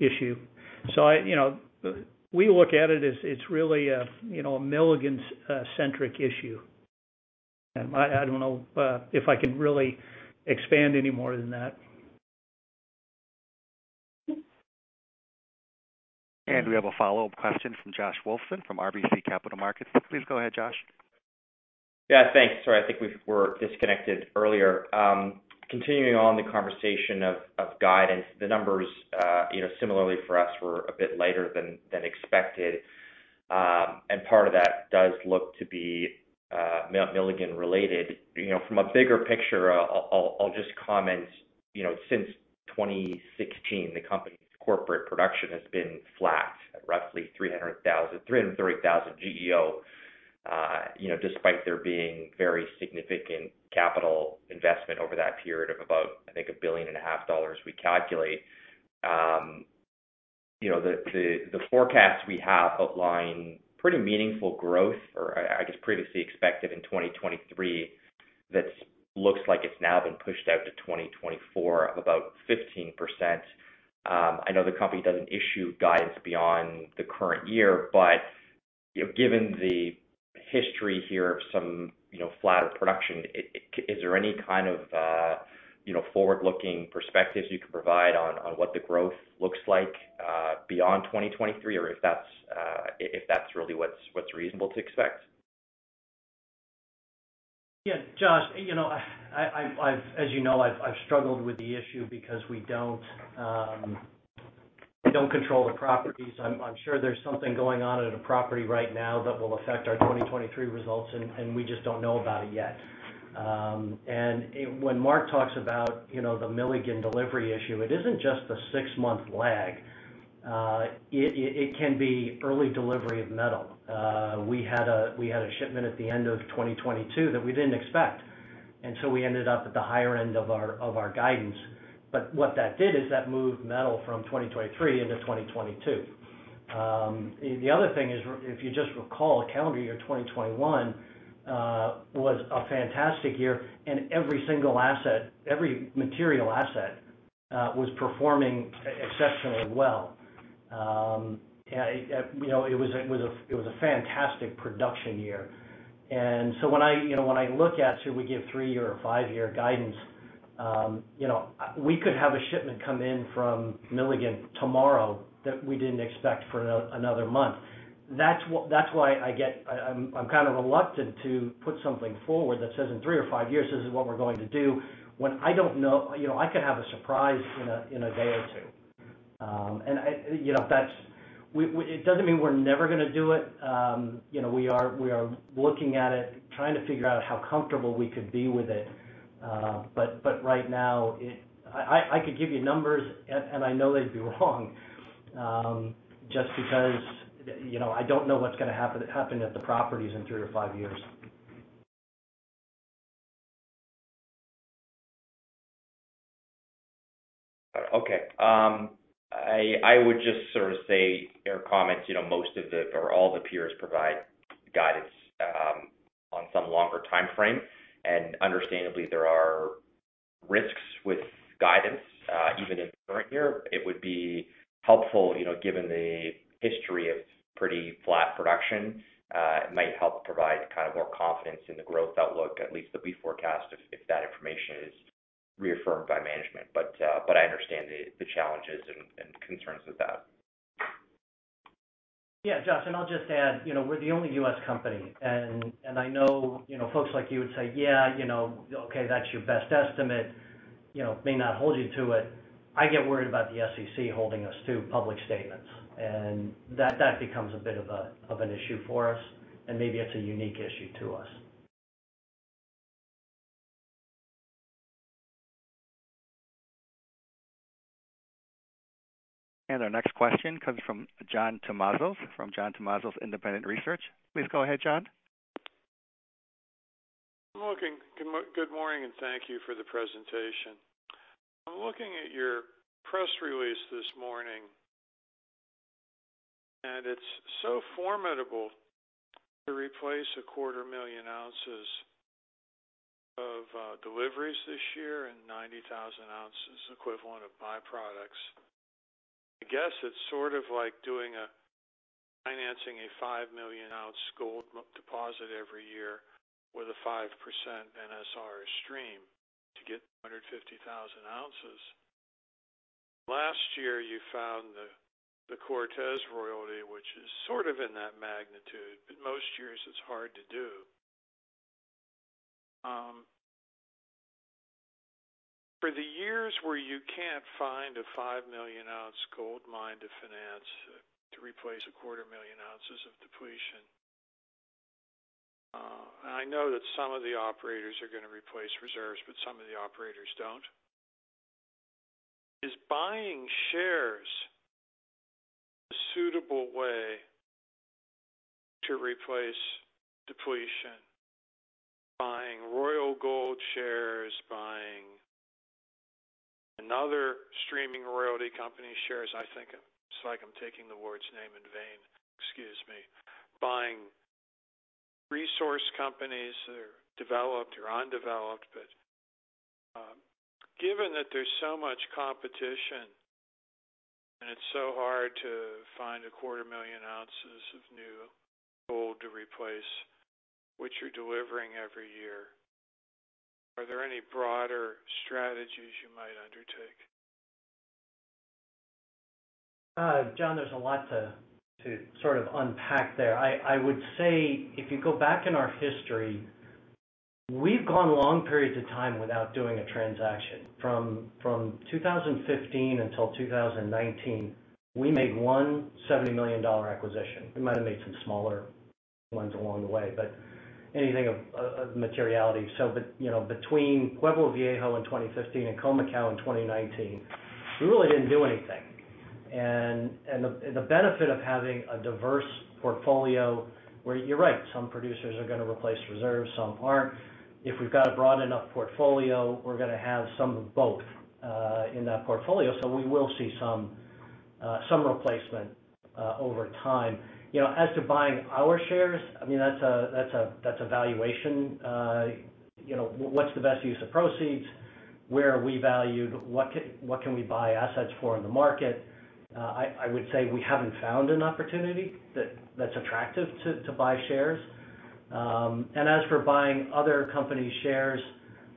issue. We look at it as it's really a, you know, a Milligan, centric issue. I don't know, if I can really expand any more than that. We have a follow-up question from Josh Wolfson from RBC Capital Markets. Please go ahead, Josh. Yeah, thanks. Sorry, I think we were disconnected earlier. Continuing on the conversation of guidance, the numbers, you know, similarly for us were a bit lighter than expected, and part of that does look to be Milligan related. From a bigger picture, I'll just comment, you know, since 2016, the company's corporate production has been flat at roughly 330,000 GEO, you know, despite there being very significant capital investment over that period of about, I think, $1.5 billion we calculate. The forecast we have outline pretty meaningful growth, or I guess previously expected in 2023, that looks like it's now been pushed out to 2024 of about 15%. I know the company doesn't issue guidance beyond the current year, but, you know, given the history here of some, you know, flatter production, is there any kind of, you know, forward-looking perspectives you can provide on what the growth looks like, beyond 2023, or if that's really what's reasonable to expect? Yeah. Josh, you know, I've, as you know, I've struggled with the issue because we don't, we don't control the properties. I'm sure there's something going on at a property right now that will affect our 2023 results, and we just don't know about it yet. When Mark talks about, you know, the Milligan delivery issue, it isn't just the six-month lag. It can be early delivery of metal. We had a shipment at the end of 2022 that we didn't expect, and so we ended up at the higher end of our, of our guidance. What that did is that moved metal from 2023 into 2022. The other thing is if you just recall calendar year 2021 was a fantastic year, and every single asset, every material asset was performing exceptionally well. You know, it was a fantastic production year. When I, you know, when I look at should we give three-year or five-year guidance, you know, we could have a shipment come in from Milligan tomorrow that we didn't expect for another month. That's why I get, I'm kind of reluctant to put something forward that says in three or five years, this is what we're going to do when I don't know. You know, I could have a surprise in a day or two. It doesn't mean we're never gonna do it. We are looking at it, trying to figure out how comfortable we could be with it. Right now I could give you numbers and I know they'd be wrong, just because, you know, I don't know what's gonna happen at the properties in three or five years. Okay. I would just sort of say or comment, you know, most of the or all the peers provide guidance on some longer timeframe. Understandably, there are risks with guidance even in the current year. It would be helpful, you know, given the history of pretty flat production, it might help provide kind of more confidence in the growth outlook, at least that we forecast if that information is reaffirmed by management. I understand the challenges and concerns with that. Josh, I'll just add, you know, we're the only U.S. company and I know, you know, folks like you would say, "Yeah, you know, okay, that's your best estimate. You know, may not hold you to it." I get worried about the SEC holding us to public statements, and that becomes a bit of an issue for us, and maybe it's a unique issue to us. Our next question comes from John Tumazos from John Tumazos Independent Research. Please go ahead, John. Good morning. Thank you for the presentation. I'm looking at your press release this morning. It's so formidable to replace a quarter million ounces of deliveries this year and 90,000 ounces equivalent of byproducts. I guess it's sort of like doing a financing a 5 million ounce gold deposit every year with a 5% NSR stream to get 250,000 ounces. Last year, you found the Cortez royalty, which is sort of in that magnitude. Most years it's hard to do. For the years where you can't find a 5 million ounce gold mine to finance to replace a quarter million ounces of depletion, I know that some of the operators are gonna replace reserves. Some of the operators don't. Is buying shares a suitable way to replace depletion? Buying Royal Gold shares, buying another streaming royalty company shares, I think it's like I'm taking the Lord's name in vain. Excuse me. Buying resource companies that are developed or undeveloped. Given that there's so much competition, and it's so hard to find a quarter million ounces of new gold to replace what you're delivering every year, are there any broader strategies you might undertake? John, there's a lot to sort of unpack there. I would say if you go back in our history, we've gone long periods of time without doing a transaction. From 2015 until 2019, we made one $70 million acquisition. We might have made some smaller ones along the way, but anything of materiality. You know, between Pueblo Viejo in 2015 and Khoemacau in 2019, we really didn't do anything. The benefit of having a diverse portfolio where you're right, some producers are gonna replace reserves, some aren't. If we've got a broad enough portfolio, we're gonna have some of both in that portfolio. We will see some replacement over time. You know, as to buying our shares, I mean, that's a valuation. You know, what's the best use of proceeds? Where are we valued? What can we buy assets for in the market? I would say we haven't found an opportunity that's attractive to buy shares. And as for buying other companies' shares,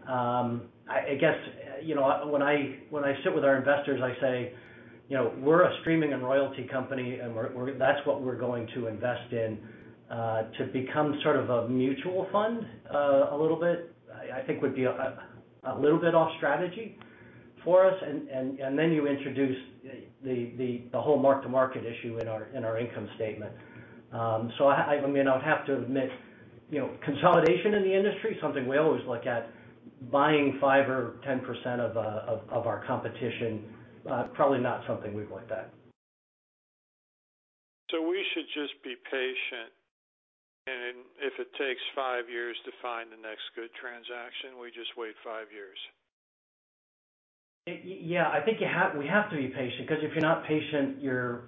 I guess, you know, when I sit with our investors, I say, "You know, we're a streaming and royalty company, and we're that's what we're going to invest in. To become sort of a mutual fund, a little bit, I think would be a little bit off strategy for us. Then you introduce the whole mark-to-market issue in our income statement. I mean, I would have to admit, you know, consolidation in the industry, something we always look at. Buying 5% or 10% of our competition, probably not something we'd look at. We should just be patient, and if it takes five years to find the next good transaction, we just wait 5 years. Yeah, I think we have to be patient, 'cause if you're not patient, you're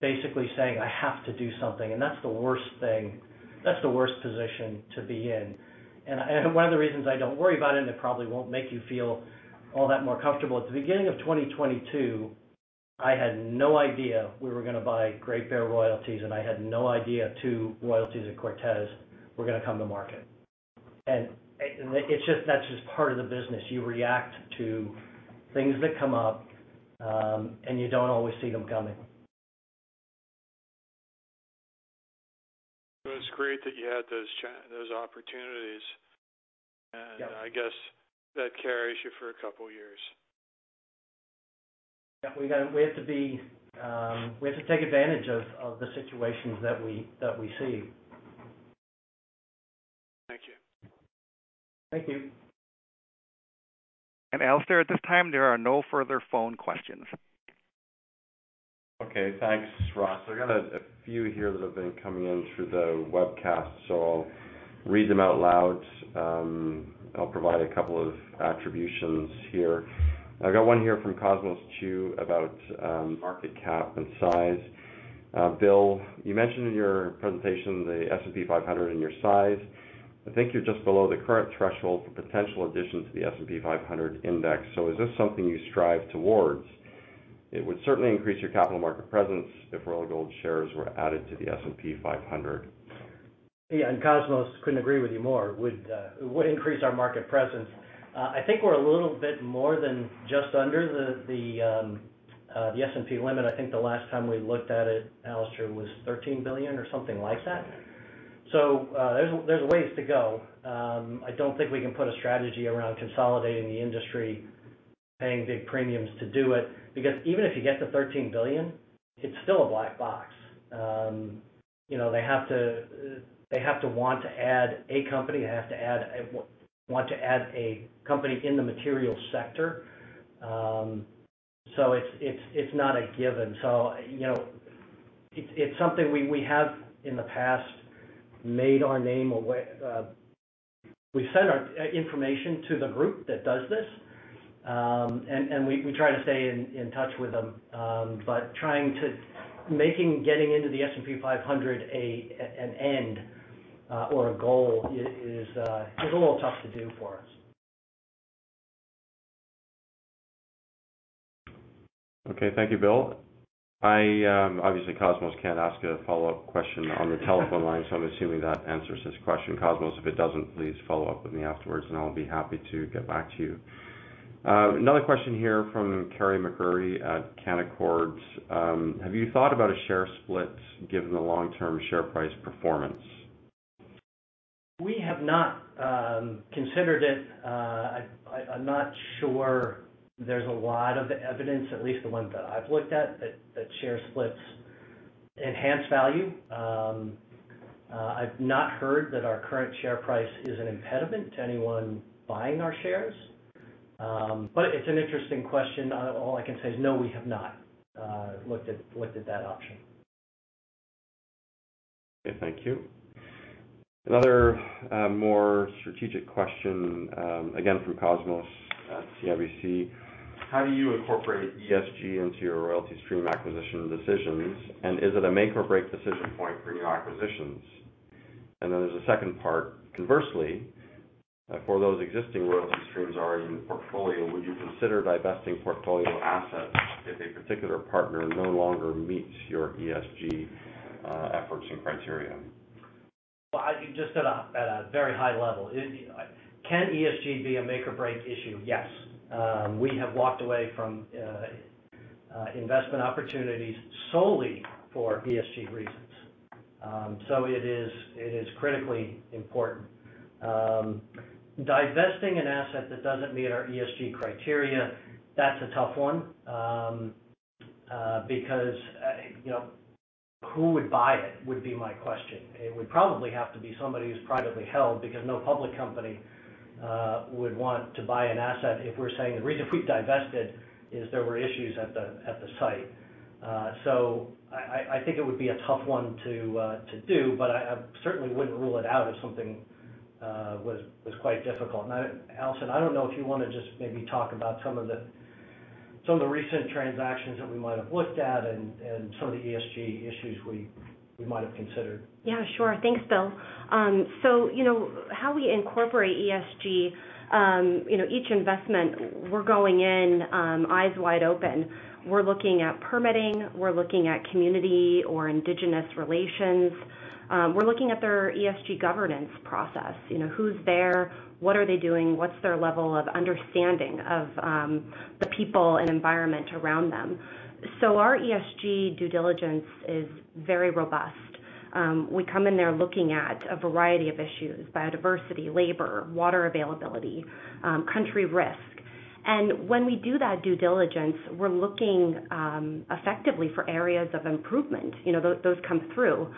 basically saying, "I have to do something." That's the worst thing. That's the worst position to be in. One of the reasons I don't worry about it probably won't make you feel all that more comfortable. At the beginning of 2022, I had no idea we were gonna buy Great Bear royalties, and I had no idea 2 royalties at Cortez were gonna come to market. It's just, that's just part of the business. You react to things that come up, and you don't always see them coming. It was great that you had those opportunities. Yeah. I guess that carries you for a couple years. Yeah. We have to be. We have to take advantage of the situations that we see. Thank you. Thank you. Alistair, at this time, there are no further phone questions. Okay, thanks, Ross. I got a few here that have been coming in through the webcast, I'll read them out loud. I'll provide a couple of attributions here. I've got one here from Cosmos Chiu about market cap and size. Bill, you mentioned in your presentation the S&P 500 and your size. I think you're just below the current threshold for potential additions to the S&P 500 index. Is this something you strive towards? It would certainly increase your capital market presence if Royal Gold shares were added to the S&P 500. Yeah, Cosmos couldn't agree with you more. It would increase our market presence. I think we're a little bit more than just under the S&P limit. I think the last time we looked at it, Alistair, was $13 billion or something like that. There's a ways to go. I don't think we can put a strategy around consolidating the industry, paying big premiums to do it, because even if you get to $13 billion, it's still a black box. You know, they have to want to add a company, they have to want to add a company in the material sector. It's not a given. You know, it's something we have in the past made our name. We sent our information to the group that does this. We try to stay in touch with them. Making getting into the S&P 500 an end or a goal is a little tough to do for us. Okay. Thank you, Bill. Obviously, Cosmos can't ask a follow-up question on the telephone line. I'm assuming that answers his question. Cosmos, if it doesn't, please follow up with me afterwards. I'll be happy to get back to you. Another question here from Kerry McCrary at Canaccord. Have you thought about a share split given the long-term share price performance? We have not considered it. I'm not sure there's a lot of evidence, at least the ones that I've looked at, that share splits enhance value. I've not heard that our current share price is an impediment to anyone buying our shares. It's an interesting question. All I can say is no, we have not looked at that option. Okay, thank you. Another, more strategic question, again from Cosmos at CIBC? How do you incorporate ESG into your royalty stream acquisition decisions, and is it a make or break decision point for new acquisitions? There's a second part. Conversely, for those existing royalty streams already in the portfolio, would you consider divesting portfolio assets if a particular partner no longer meets your ESG, efforts and criteria? I just at a very high level. Can ESG be a make or break issue? Yes. We have walked away from investment opportunities solely for ESG reasons. It is critically important. Divesting an asset that doesn't meet our ESG criteria, that's a tough one, because, you know, who would buy it, would be my question. It would probably have to be somebody who's privately held, because no public company would want to buy an asset if we're saying the reason we've divested is there were issues at the site. I think it would be a tough one to do, but I certainly wouldn't rule it out if something was quite difficult. Now, Allison, I don't know if you wanna just maybe talk about some of the recent transactions that we might have looked at and some of the ESG issues we might have considered? Yeah, sure. Thanks, Bill. You know, how we incorporate ESG, you know, each investment we're going in, eyes wide open. We're looking at permitting. We're looking at community or indigenous relations. We're looking at their ESG governance process. You know, who's there, what are they doing, what's their level of understanding of the people and environment around them. Our ESG due diligence is very robust. We come in there looking at a variety of issues, biodiversity, labor, water availability, country risk. When we do that due diligence, we're looking effectively for areas of improvement. You know, those come through.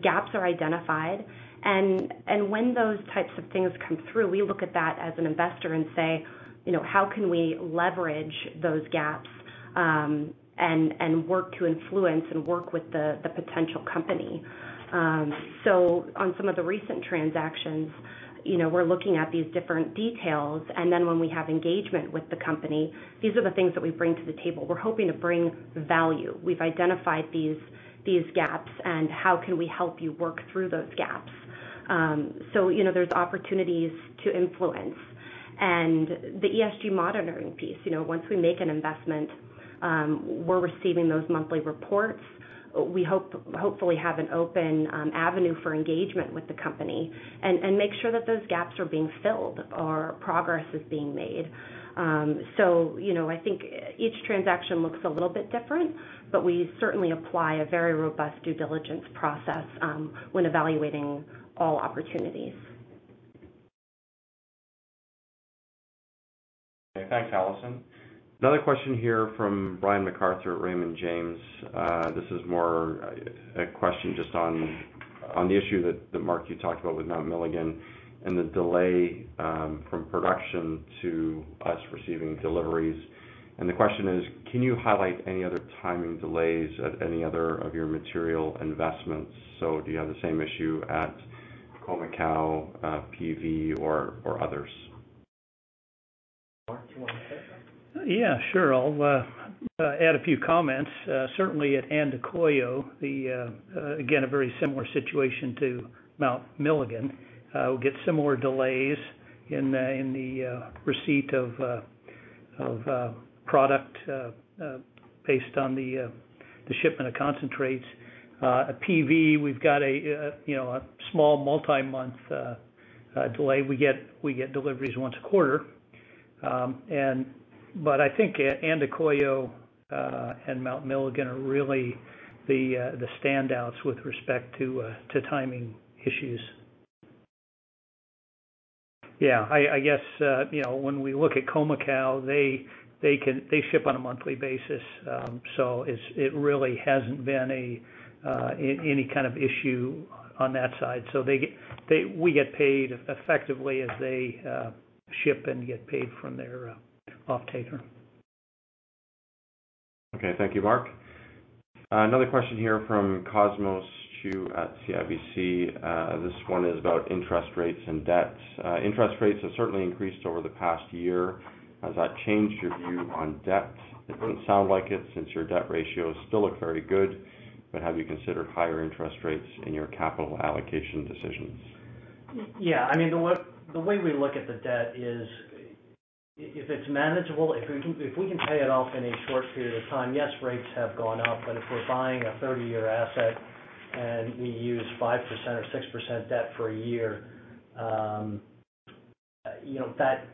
Gaps are identified. When those types of things come through, we look at that as an investor and say, you know, "How can we leverage those gaps and work to influence and work with the potential company?" On some of the recent transactions, you know, we're looking at these different details, and then when we have engagement with the company, these are the things that we bring to the table. We're hoping to bring value. We've identified these gaps, and how can we help you work through those gaps. You know, there's opportunities to influence. The ESG monitoring piece, you know, once we make an investment, we're receiving those monthly reports. We hopefully have an open avenue for engagement with the company and make sure that those gaps are being filled or progress is being made. You know, I think each transaction looks a little bit different, but we certainly apply a very robust due diligence process, when evaluating all opportunities. Okay. Thanks, Allison. Another question here from Brian MacArthur at Raymond James. This is more a question just on the issue that Mark, you talked about with Mount Milligan and the delay from production to us receiving deliveries. The question is: Can you highlight any other timing delays at any other of your material investments? Do you have the same issue at Khoemacau, PV or others? Mark, do you wanna take that? Yeah, sure. I'll add a few comments. Certainly at Andacollo, the again, a very similar situation to Mount Milligan. We'll get similar delays in the receipt of product based on the shipment of concentrates. At PV, we've got a, you know, a small multi-month delay. We get deliveries once a quarter. I think Andacollo and Mount Milligan are really the standouts with respect to timing issues. Yeah, I guess, you know, when we look at Khoemacau, they can, they ship on a monthly basis. It's, it really hasn't been any kind of issue on that side. We get paid effectively as they ship and get paid from their offtaker. Okay. Thank you, Mark. Another question here from Cosmos Chiu at CIBC. This one is about interest rates and debt. Interest rates have certainly increased over the past year. Has that changed your view on debt? It doesn't sound like it since your debt ratios still look very good. Have you considered higher interest rates in your capital allocation decisions? Yeah. I mean, the way we look at the debt is if it's manageable, if we can pay it off in a short period of time, yes, rates have gone up. If we're buying a 30-year asset and we use 5% or 6% debt for a year, you know, that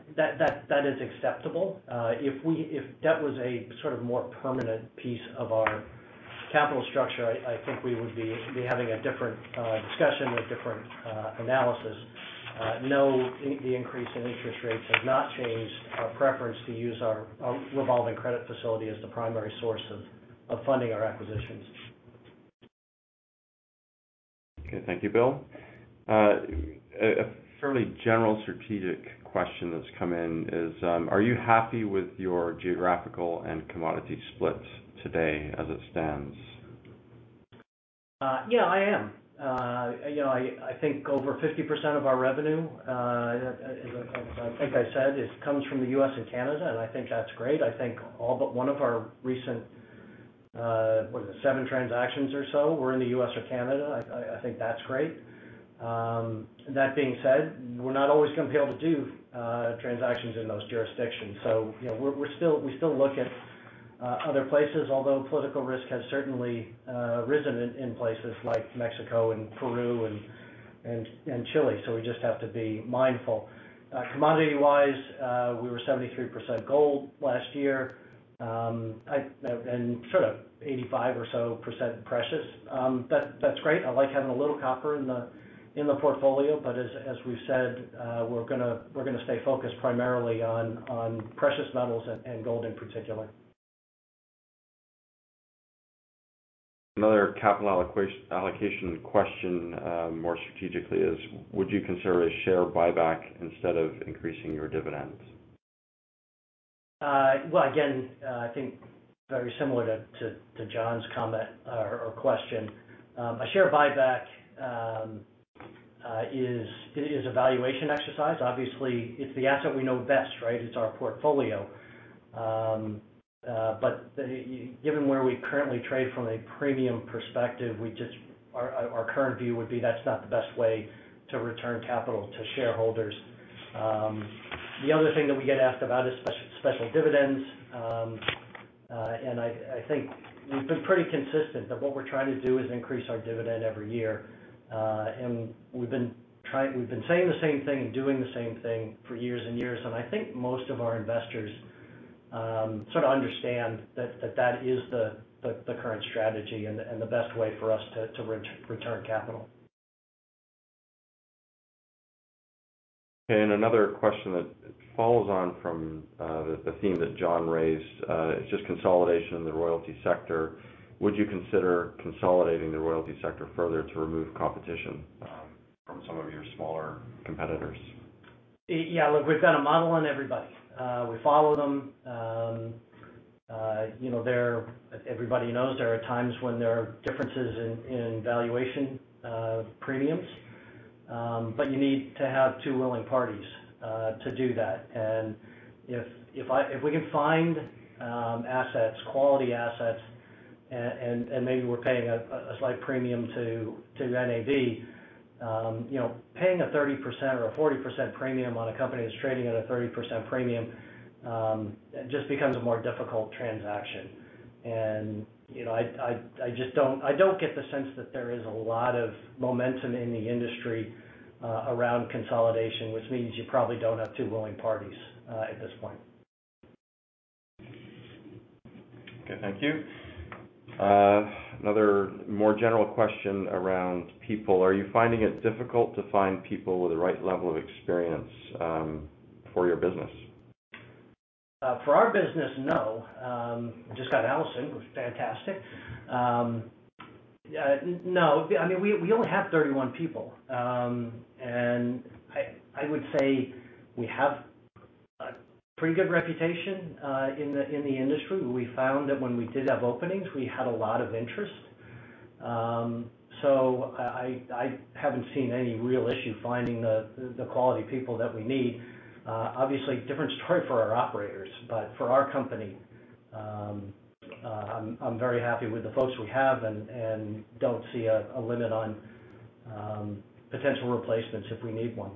is acceptable. If debt was a sort of more permanent piece of our capital structure, I think we would be having a different discussion with different analysis. No, the increase in interest rates has not changed our preference to use our revolving credit facility as the primary source of funding our acquisitions. Okay. Thank you, Bill. A fairly general strategic question that's come in is: Are you happy with your geographical and commodity split today as it stands? Yeah, I am. You know, I think over 50% of our revenue is, I think I said, comes from the U.S. and Canada, and I think that's great. I think all but one of our recent, what is it, seven transactions or so were in the U.S. or Canada. I think that's great. That being said, we're not always gonna be able to do transactions in those jurisdictions. You know, we're still, we still look at other places, although political risk has certainly risen in places like Mexico and Peru and Chile, so we just have to be mindful. Commodity-wise, we were 73% gold last year. And sort of 85% or so precious. That's great. I like having a little copper in the portfolio, but as we've said, we're gonna stay focused primarily on precious metals and gold in particular. Another capital allocation question, more strategically is, would you consider a share buyback instead of increasing your dividends? Well, again, I think very similar to John's comment or question. A share buyback, it is a valuation exercise. Obviously, it's the asset we know best, right? It's our portfolio. Given where we currently trade from a premium perspective, our current view would be that's not the best way to return capital to shareholders. The other thing that we get asked about is special dividends. I think we've been pretty consistent that what we're trying to do is increase our dividend every year. We've been saying the same thing and doing the same thing for years and years. I think most of our investors, sort of understand that that is the current strategy and the best way for us to return capital. Another question that follows on from the theme that John raised is just consolidation in the royalty sector. Would you consider consolidating the royalty sector further to remove competition from some of your smaller competitors? We got a model on everybody. We follow them. You know, everybody knows there are times when there are differences in valuation premiums. But you need to have two willing parties to do that. And if we can find assets, quality assets, and maybe we're paying a slight premium to NAV, you know, paying a 30% or a 40% premium on a company that's trading at a 30% premium, it just becomes a more difficult transaction. And, you know, I, I just don't. I don't get the sense that there is a lot of momentum in the industry around consolidation, which means you probably don't have two willing parties at this point. Okay. Thank you. Another more general question around people. Are you finding it difficult to find people with the right level of experience for your business? For our business, no. Just got Allison, who's fantastic. No. I mean, we only have 31 people. I would say we have a pretty good reputation in the industry. We found that when we did have openings, we had a lot of interest. I haven't seen any real issue finding the quality people that we need. Obviously, different story for our operators. For our company, I'm very happy with the folks we have and don't see a limit on potential replacements if we need one.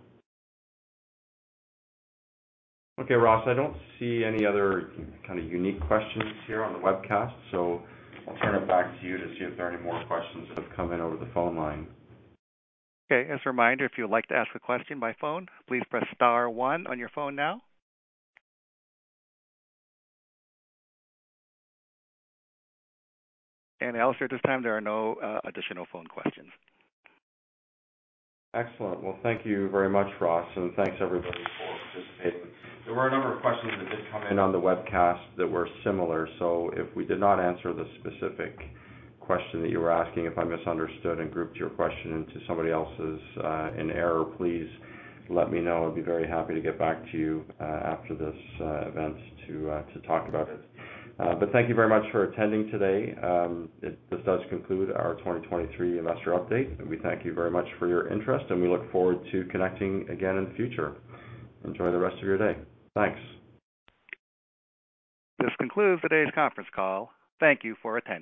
Okay, Ross, I don't see any other kind of unique questions here on the webcast, so I'll turn it back to you to see if there are any more questions that have come in over the phone line. Okay. As a reminder, if you would like to ask a question by phone, please press star one on your phone now. Alistair, at this time, there are no additional phone questions. Excellent. Well, thank you very much, Ross, and thanks everybody for participating. There were a number of questions that did come in on the webcast that were similar, so if we did not answer the specific question that you were asking, if I misunderstood and grouped your question into somebody else's, in error, please let me know. I'd be very happy to get back to you after this event to talk about it. Thank you very much for attending today. This does conclude our 2023 investor update, and we thank you very much for your interest, and we look forward to connecting again in the future. Enjoy the rest of your day. Thanks. This concludes today's conference call. Thank you for attending.